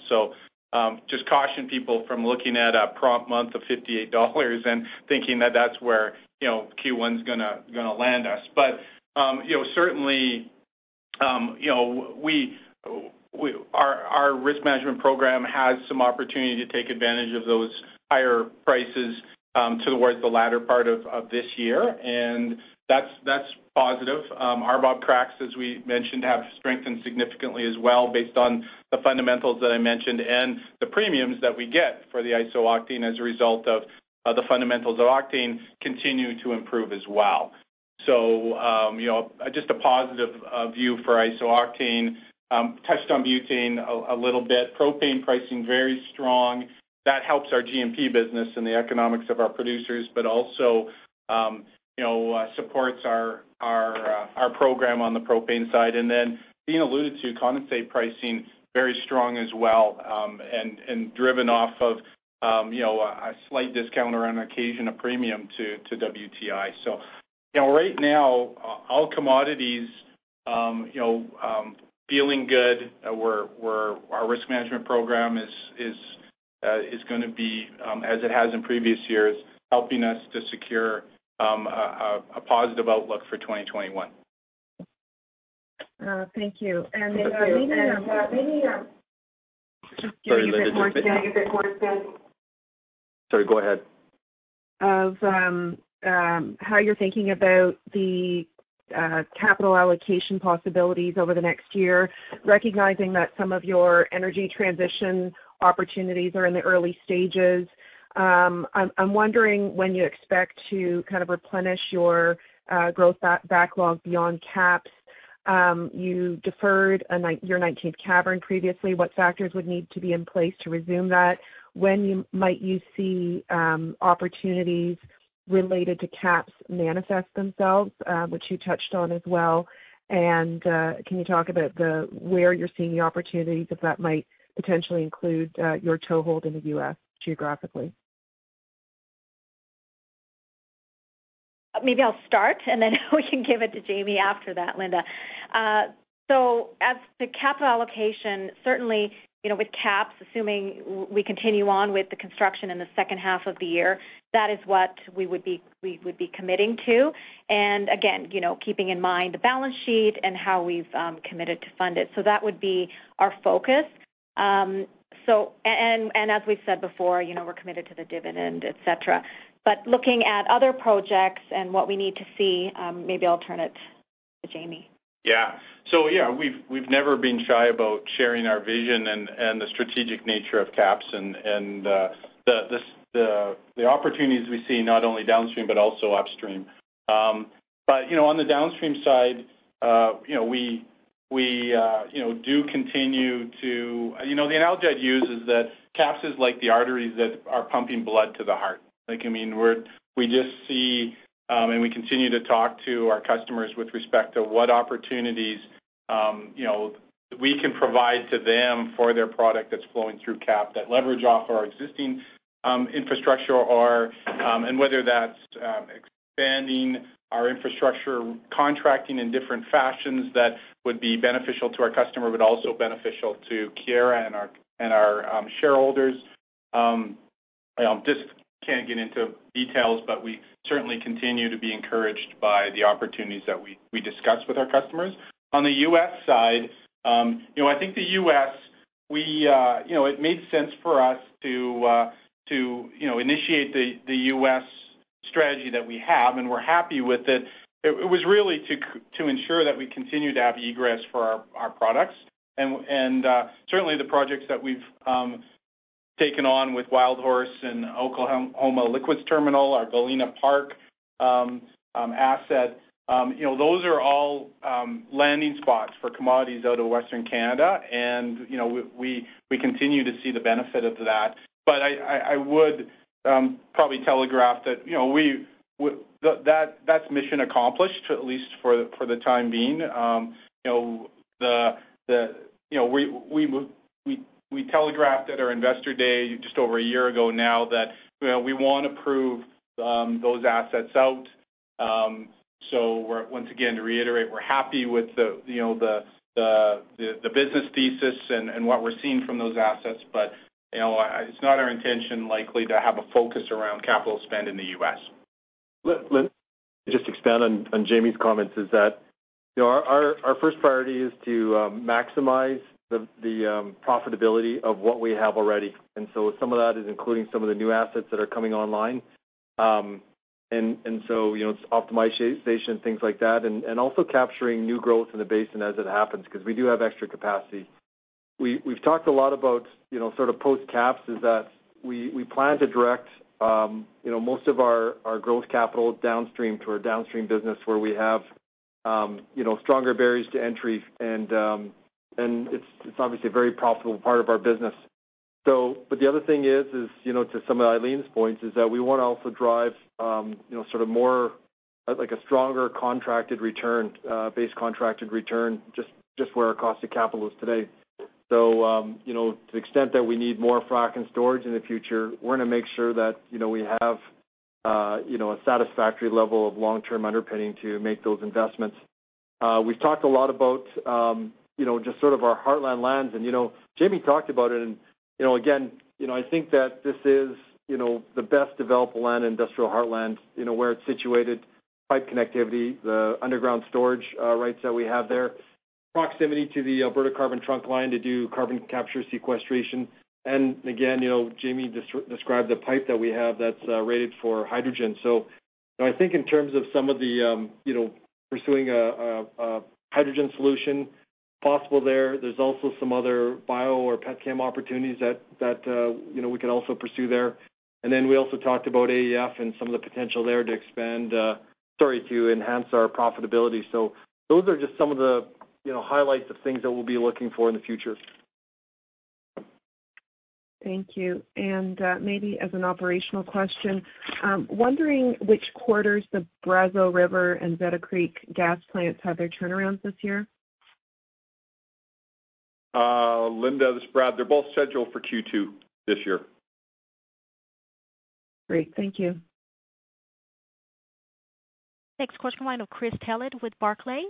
Just caution people from looking at a prompt month of 58 dollars and thinking that that's where Q1 is going to land us. Certainly our risk management program has some opportunity to take advantage of those higher prices towards the latter part of this year, and that's positive. RBOB cracks, as we mentioned, have strengthened significantly as well based on the fundamentals that I mentioned and the premiums that we get for the isooctane as a result of the fundamentals of octane continuing to improve as well. Just a positive view for isooctane. Touched on butane a little bit. Propane pricing very strong. That helps our G&P business and the economics of our producers, but also supports our program on the propane side. Then Dean alluded to condensate pricing, very strong as well, and driven off of a slight discount or on occasion, a premium to WTI. Right now, all commodities feeling good. Our risk management program is going to be, as it has in previous years, helping us to secure a positive outlook for 2021. Thank you. Sorry, go ahead. how you're thinking about the capital allocation possibilities over the next year, recognizing that some of your energy transition opportunities are in the early stages. I'm wondering when you expect to replenish your growth backlog beyond KAPS. You deferred your 19th cavern previously. What factors would need to be in place to resume that? When might you see opportunities related to KAPS manifest themselves, which you touched on as well? Can you talk about where you're seeing the opportunities, if that might potentially include your toehold in the U.S. geographically? Maybe I'll start, and then we can give it to Jamie after that, Linda. As to capital allocation, certainly, with KAPS, assuming we continue on with the construction in the second half of the year, that is what we would be committing to. Again, keeping in mind the balance sheet and how we've committed to fund it. That would be our focus. As we've said before, we're committed to the dividend, et cetera. Looking at other projects and what we need to see, maybe I'll turn it to Jamie. Yeah. Yeah, we've never been shy about sharing our vision and the strategic nature of KAPS and the opportunities we see not only downstream but also upstream. On the downstream side, we do continue. The analogy I'd use is that KAPS is like the arteries that are pumping blood to the heart. We just see, and we continue to talk to our customers with respect to what opportunities we can provide to them for their product that's flowing through KAPS, that leverage off our existing infrastructure, and whether that's expanding our infrastructure, contracting in different fashions that would be beneficial to our customer, but also beneficial to Keyera and our shareholders. Just can't get into details, but we certainly continue to be encouraged by the opportunities that we discuss with our customers. On the U.S. side, I think the U.S., it made sense for us to initiate the U.S. strategy that we have. We're happy with it. It was really to ensure that we continue to have egress for our products. Certainly the projects that we've taken on with Wildhorse and Oklahoma Liquids Terminal, our Galena Park asset, those are all landing spots for commodities out of Western Canada. We continue to see the benefit of that. I would probably telegraph that that's mission accomplished, at least for the time being. We telegraphed at our investor day just over one year ago now that we want to prove those assets out. Once again, to reiterate, we're happy with the business thesis and what we're seeing from those assets. It's not our intention likely to have a focus around capital spend in the U.S. Let me just expand on Jamie's comments is that our first priority is to maximize the profitability of what we have already. Some of that is including some of the new assets that are coming online. Optimization, things like that, and also capturing new growth in the basin as it happens, because we do have extra capacity. We've talked a lot about, sort of post-KAPS, is that we plan to direct most of our growth capital downstream to our downstream business where we have stronger barriers to entry, and it's obviously a very profitable part of our business. The other thing is, to some of Eileen's points, is that we want to also drive sort of more, like a stronger contracted return, base contracted return, just where our cost of capital is today. To the extent that we need more frac and storage in the future, we're going to make sure that we have a satisfactory level of long-term underpinning to make those investments. We've talked a lot about just sort of our Heartland lands. Jamie talked about it, and again, I think that this is the best developed land in Industrial Heartland, where it's situated, pipe connectivity, the underground storage rights that we have there, proximity to the Alberta Carbon Trunk Line to do carbon capture sequestration. Again, Jamie described the pipe that we have that's rated for hydrogen. I think in terms of some of the pursuing a hydrogen solution possible there's also some other bio or pet chem opportunities that we could also pursue there. We also talked about AEF and some of the potential there to enhance our profitability. Those are just some of the highlights of things that we'll be looking for in the future. Thank you. Maybe as an operational question, wondering which quarters the Brazeau River and Zeta Creek gas plants have their turnarounds this year? Linda, this is Brad. They're both scheduled for Q2 this year. Great. Thank you. Next question, line of Chris Tillett with Barclays.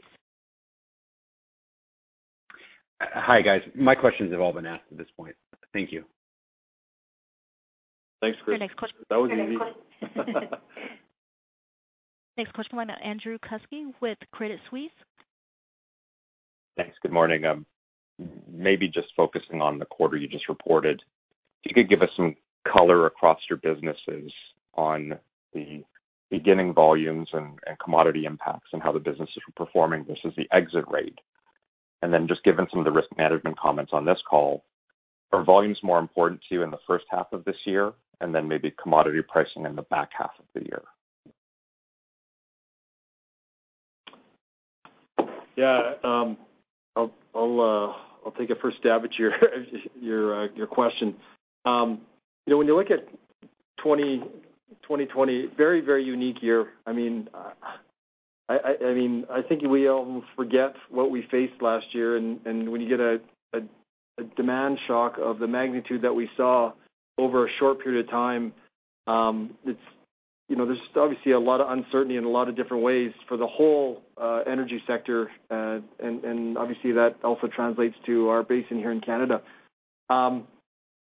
Hi, guys. My questions have all been asked at this point. Thank you. Thanks, Chris. That was easy. Next question, line of Andrew Kuske with Credit Suisse. Thanks. Good morning. Maybe just focusing on the quarter you just reported, if you could give us some color across your businesses on the beginning volumes and commodity impacts and how the businesses were performing versus the exit rate. Just given some of the risk management comments on this call, are volumes more important to you in the first half of this year and then maybe commodity pricing in the back half of the year? Yeah. I'll take a first stab at your question. You look at 2020, very unique year. I think we almost forget what we faced last year. When you get a demand shock of the magnitude that we saw over a short period of time, there's obviously a lot of uncertainty in a lot of different ways for the whole energy sector. Obviously that also translates to our basin here in Canada.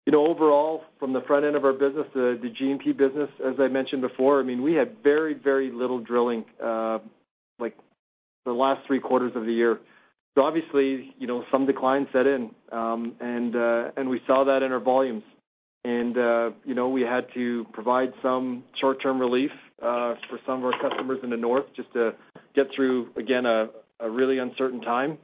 Overall, from the front end of our business, the G&P business, as I mentioned before, we had very little drilling, like the last three quarters of the year. Obviously, some decline set in, and we saw that in our volumes. We had to provide some short-term relief for some of our customers in the north just to get through, again, a really uncertain time.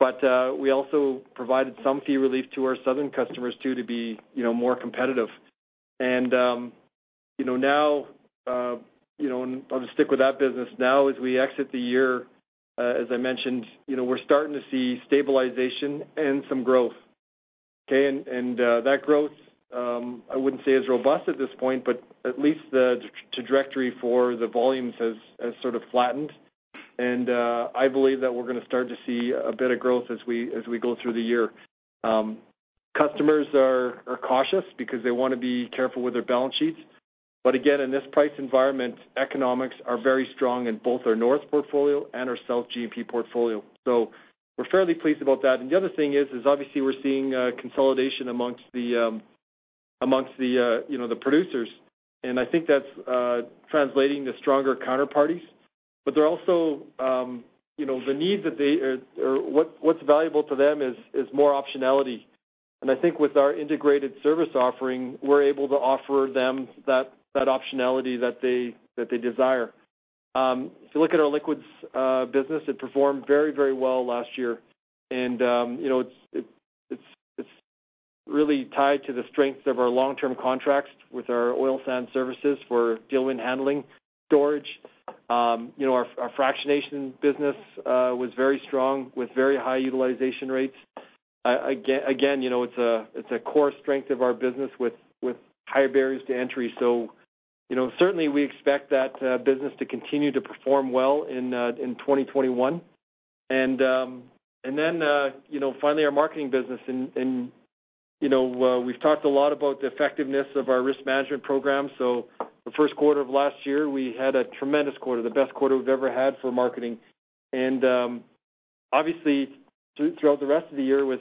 We also provided some fee relief to our southern customers, too, to be more competitive. I'll just stick with that business. Now as we exit the year, as I mentioned, we're starting to see stabilization and some growth, okay? That growth, I wouldn't say is robust at this point, but at least the trajectory for the volumes has sort of flattened. I believe that we're going to start to see a bit of growth as we go through the year. Customers are cautious because they want to be careful with their balance sheets. Again, in this price environment, economics are very strong in both our north portfolio and our south G&P portfolio. We're fairly pleased about that. The other thing is obviously we're seeing consolidation amongst the producers. I think that's translating to stronger counterparties. The needs that they, or what's valuable to them is more optionality. I think with our integrated service offering, we're able to offer them that optionality that they desire. If you look at our liquids business, it performed very well last year. It's really tied to the strength of our long-term contracts with our oil sand services for deal with handling storage. Our fractionation business was very strong with very high utilization rates. Again, it's a core strength of our business with higher barriers to entry. Certainly, we expect that business to continue to perform well in 2021. Finally, our marketing business, and we've talked a lot about the effectiveness of our risk management program. The first quarter of last year, we had a tremendous quarter, the best quarter we've ever had for marketing. Obviously, throughout the rest of the year with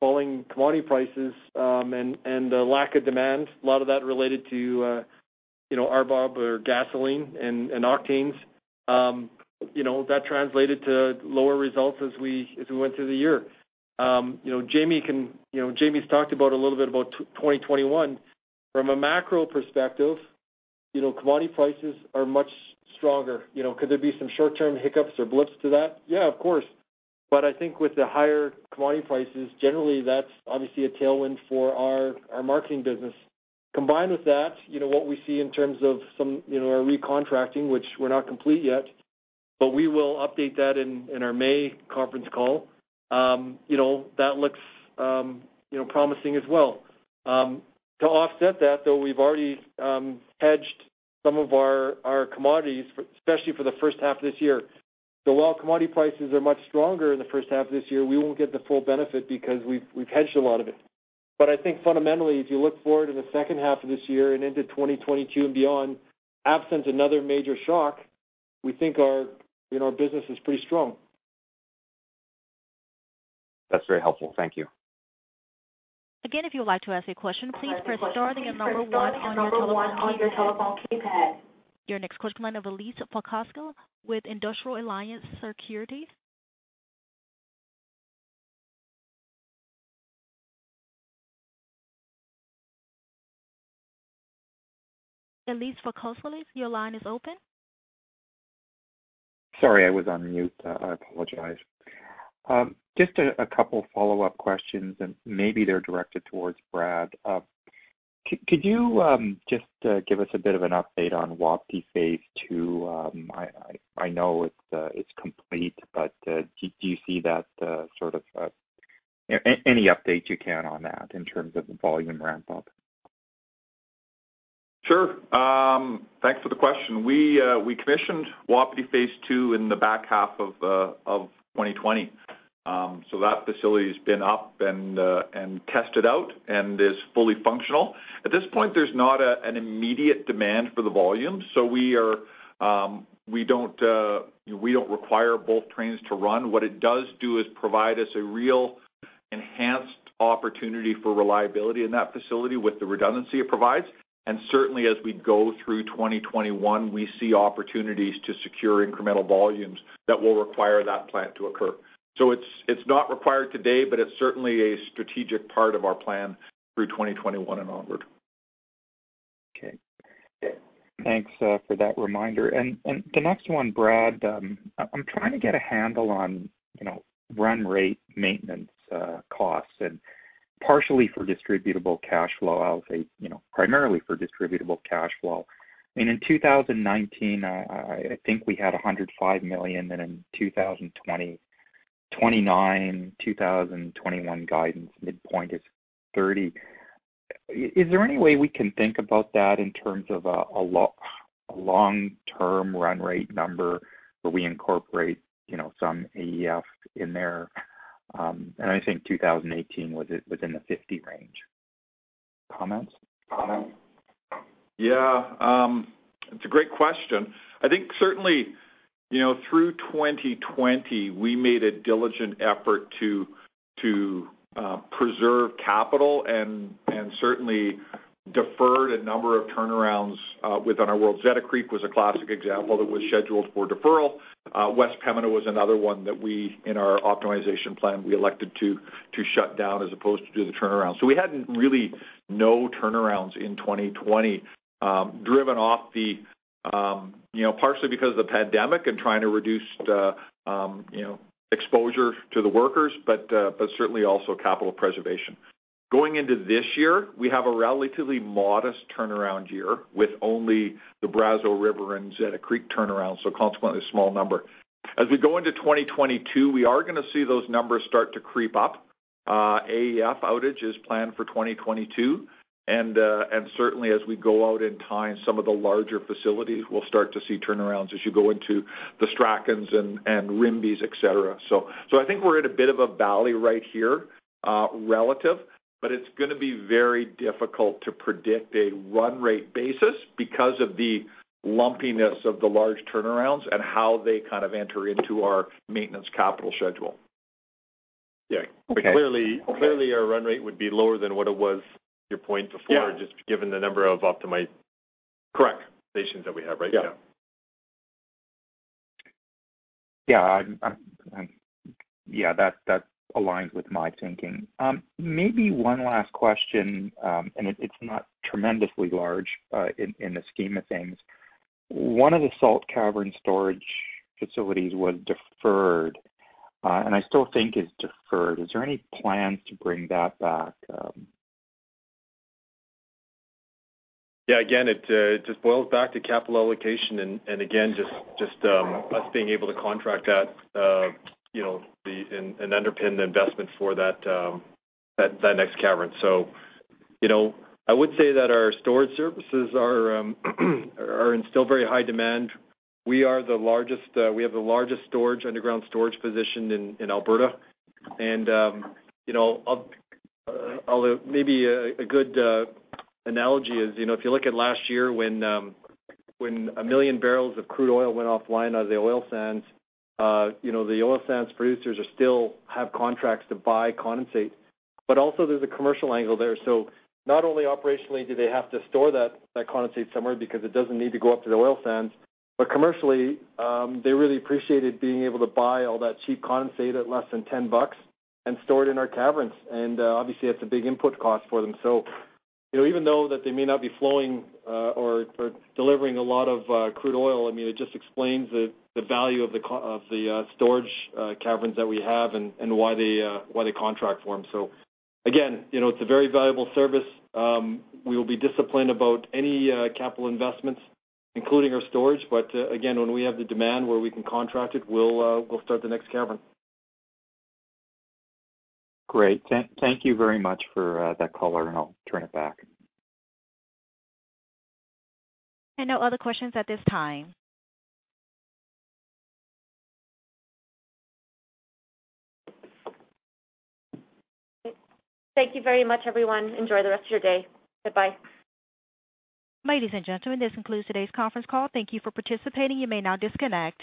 falling commodity prices and the lack of demand, a lot of that related to RBOB or gasoline and octanes, that translated to lower results as we went through the year. Jamie's talked about a little bit about 2021. From a macro perspective, commodity prices are much stronger. Could there be some short-term hiccups or blips to that? Yeah, of course. I think with the higher commodity prices, generally, that's obviously a tailwind for our marketing business. Combined with that, what we see in terms of our recontracting, which we're not complete yet, but we will update that in our May conference call. That looks promising as well. To offset that, though, we've already hedged some of our commodities, especially for the first half of this year. While commodity prices are much stronger in the first half of this year, we won't get the full benefit because we've hedged a lot of it. I think fundamentally, if you look forward to the second half of this year and into 2022 and beyond, absent another major shock, we think our business is pretty strong. That's very helpful. Thank you. Again, if you would like to ask a question, please press star then the number one on your telephone keypad. Your next question comes in from Elias Foscolos with Industrial Alliance Securities. Elias Foscolos, your line is open. Sorry, I was on mute. I apologize. Just a couple follow-up questions, and maybe they're directed towards Brad. Could you just give us a bit of an update on Wapiti phase II? I know it's complete, but any update you can on that in terms of the volume ramp-up? Sure. Thanks for the question. We commissioned Wapiti phase II in the back half of 2020. That facility has been up and tested out and is fully functional. At this point, there's not an immediate demand for the volume, so we don't require both trains to run. What it does do is provide us a real enhanced opportunity for reliability in that facility with the redundancy it provides. Certainly as we go through 2021, we see opportunities to secure incremental volumes that will require that plant to occur. It's not required today, but it's certainly a strategic part of our plan through 2021 and onward. Okay. Thanks for that reminder. The next one, Brad, I'm trying to get a handle on run rate maintenance costs and partially for distributable cash flow, I'll say primarily for distributable cash flow. In 2019, I think we had 105 million, and in 2020, 29, 2021 guidance midpoint is 30. Is there any way we can think about that in terms of a long-term run rate number where we incorporate some AEF in there? I think 2018 was within the 50 range. Comments? Yeah. It's a great question. I think certainly, through 2020, we made a diligent effort to preserve capital and certainly deferred a number of turnarounds within our world. Zeta Creek was a classic example that was scheduled for deferral. West Pembina was another one that we, in our optimization plan, we elected to shut down as opposed to do the turnaround. We had really no turnarounds in 2020, driven off partially because of the pandemic and trying to reduce exposure to the workers, but certainly also capital preservation. Going into this year, we have a relatively modest turnaround year with only the Brazeau River and Zeta Creek turnaround, so consequently, a small number. As we go into 2022, we are going to see those numbers start to creep up. AEF outage is planned for 2022, and certainly as we go out in time, some of the larger facilities will start to see turnarounds as you go into the Strachan and Rimbey, et cetera. I think we're in a bit of a valley right here, relative, but it's going to be very difficult to predict a run rate basis because of the lumpiness of the large turnarounds and how they kind of enter into our maintenance capital schedule. Yeah. Okay. Clearly, our run rate would be lower than what it was, your point before. Yeah. Just given the number of optimizations. Correct. That we have right now. Yeah. That aligns with my thinking. Maybe one last question, and it's not tremendously large in the scheme of things. One of the salt cavern storage facilities was deferred, and I still think it's deferred. Is there any plans to bring that back? Yeah, again, it just boils back to capital allocation and again, just us being able to contract that and underpin the investment for that next cavern. I would say that our storage services are in still very high demand. We have the largest underground storage position in Alberta, and although maybe a good analogy is, if you look at last year when 1 million barrels of crude oil went offline out of the oil sands, the oil sands producers still have contracts to buy condensate. There's a commercial angle there. Not only operationally do they have to store that condensate somewhere because it doesn't need to go up to the oil sands, but commercially, they really appreciated being able to buy all that cheap condensate at less than 10 bucks and store it in our caverns. That's a big input cost for them. Even though they may not be flowing or delivering a lot of crude oil, it just explains the value of the storage caverns that we have and why they contract for them. Again, it's a very valuable service. We will be disciplined about any capital investments, including our storage. Again, when we have the demand where we can contract it, we'll start the next cavern. Great. Thank you very much for that color. I'll turn it back. No other questions at this time. Thank you very much, everyone. Enjoy the rest of your day. Bye-bye. Ladies and gentlemen, this concludes today's conference call. Thank you for participating. You may now disconnect.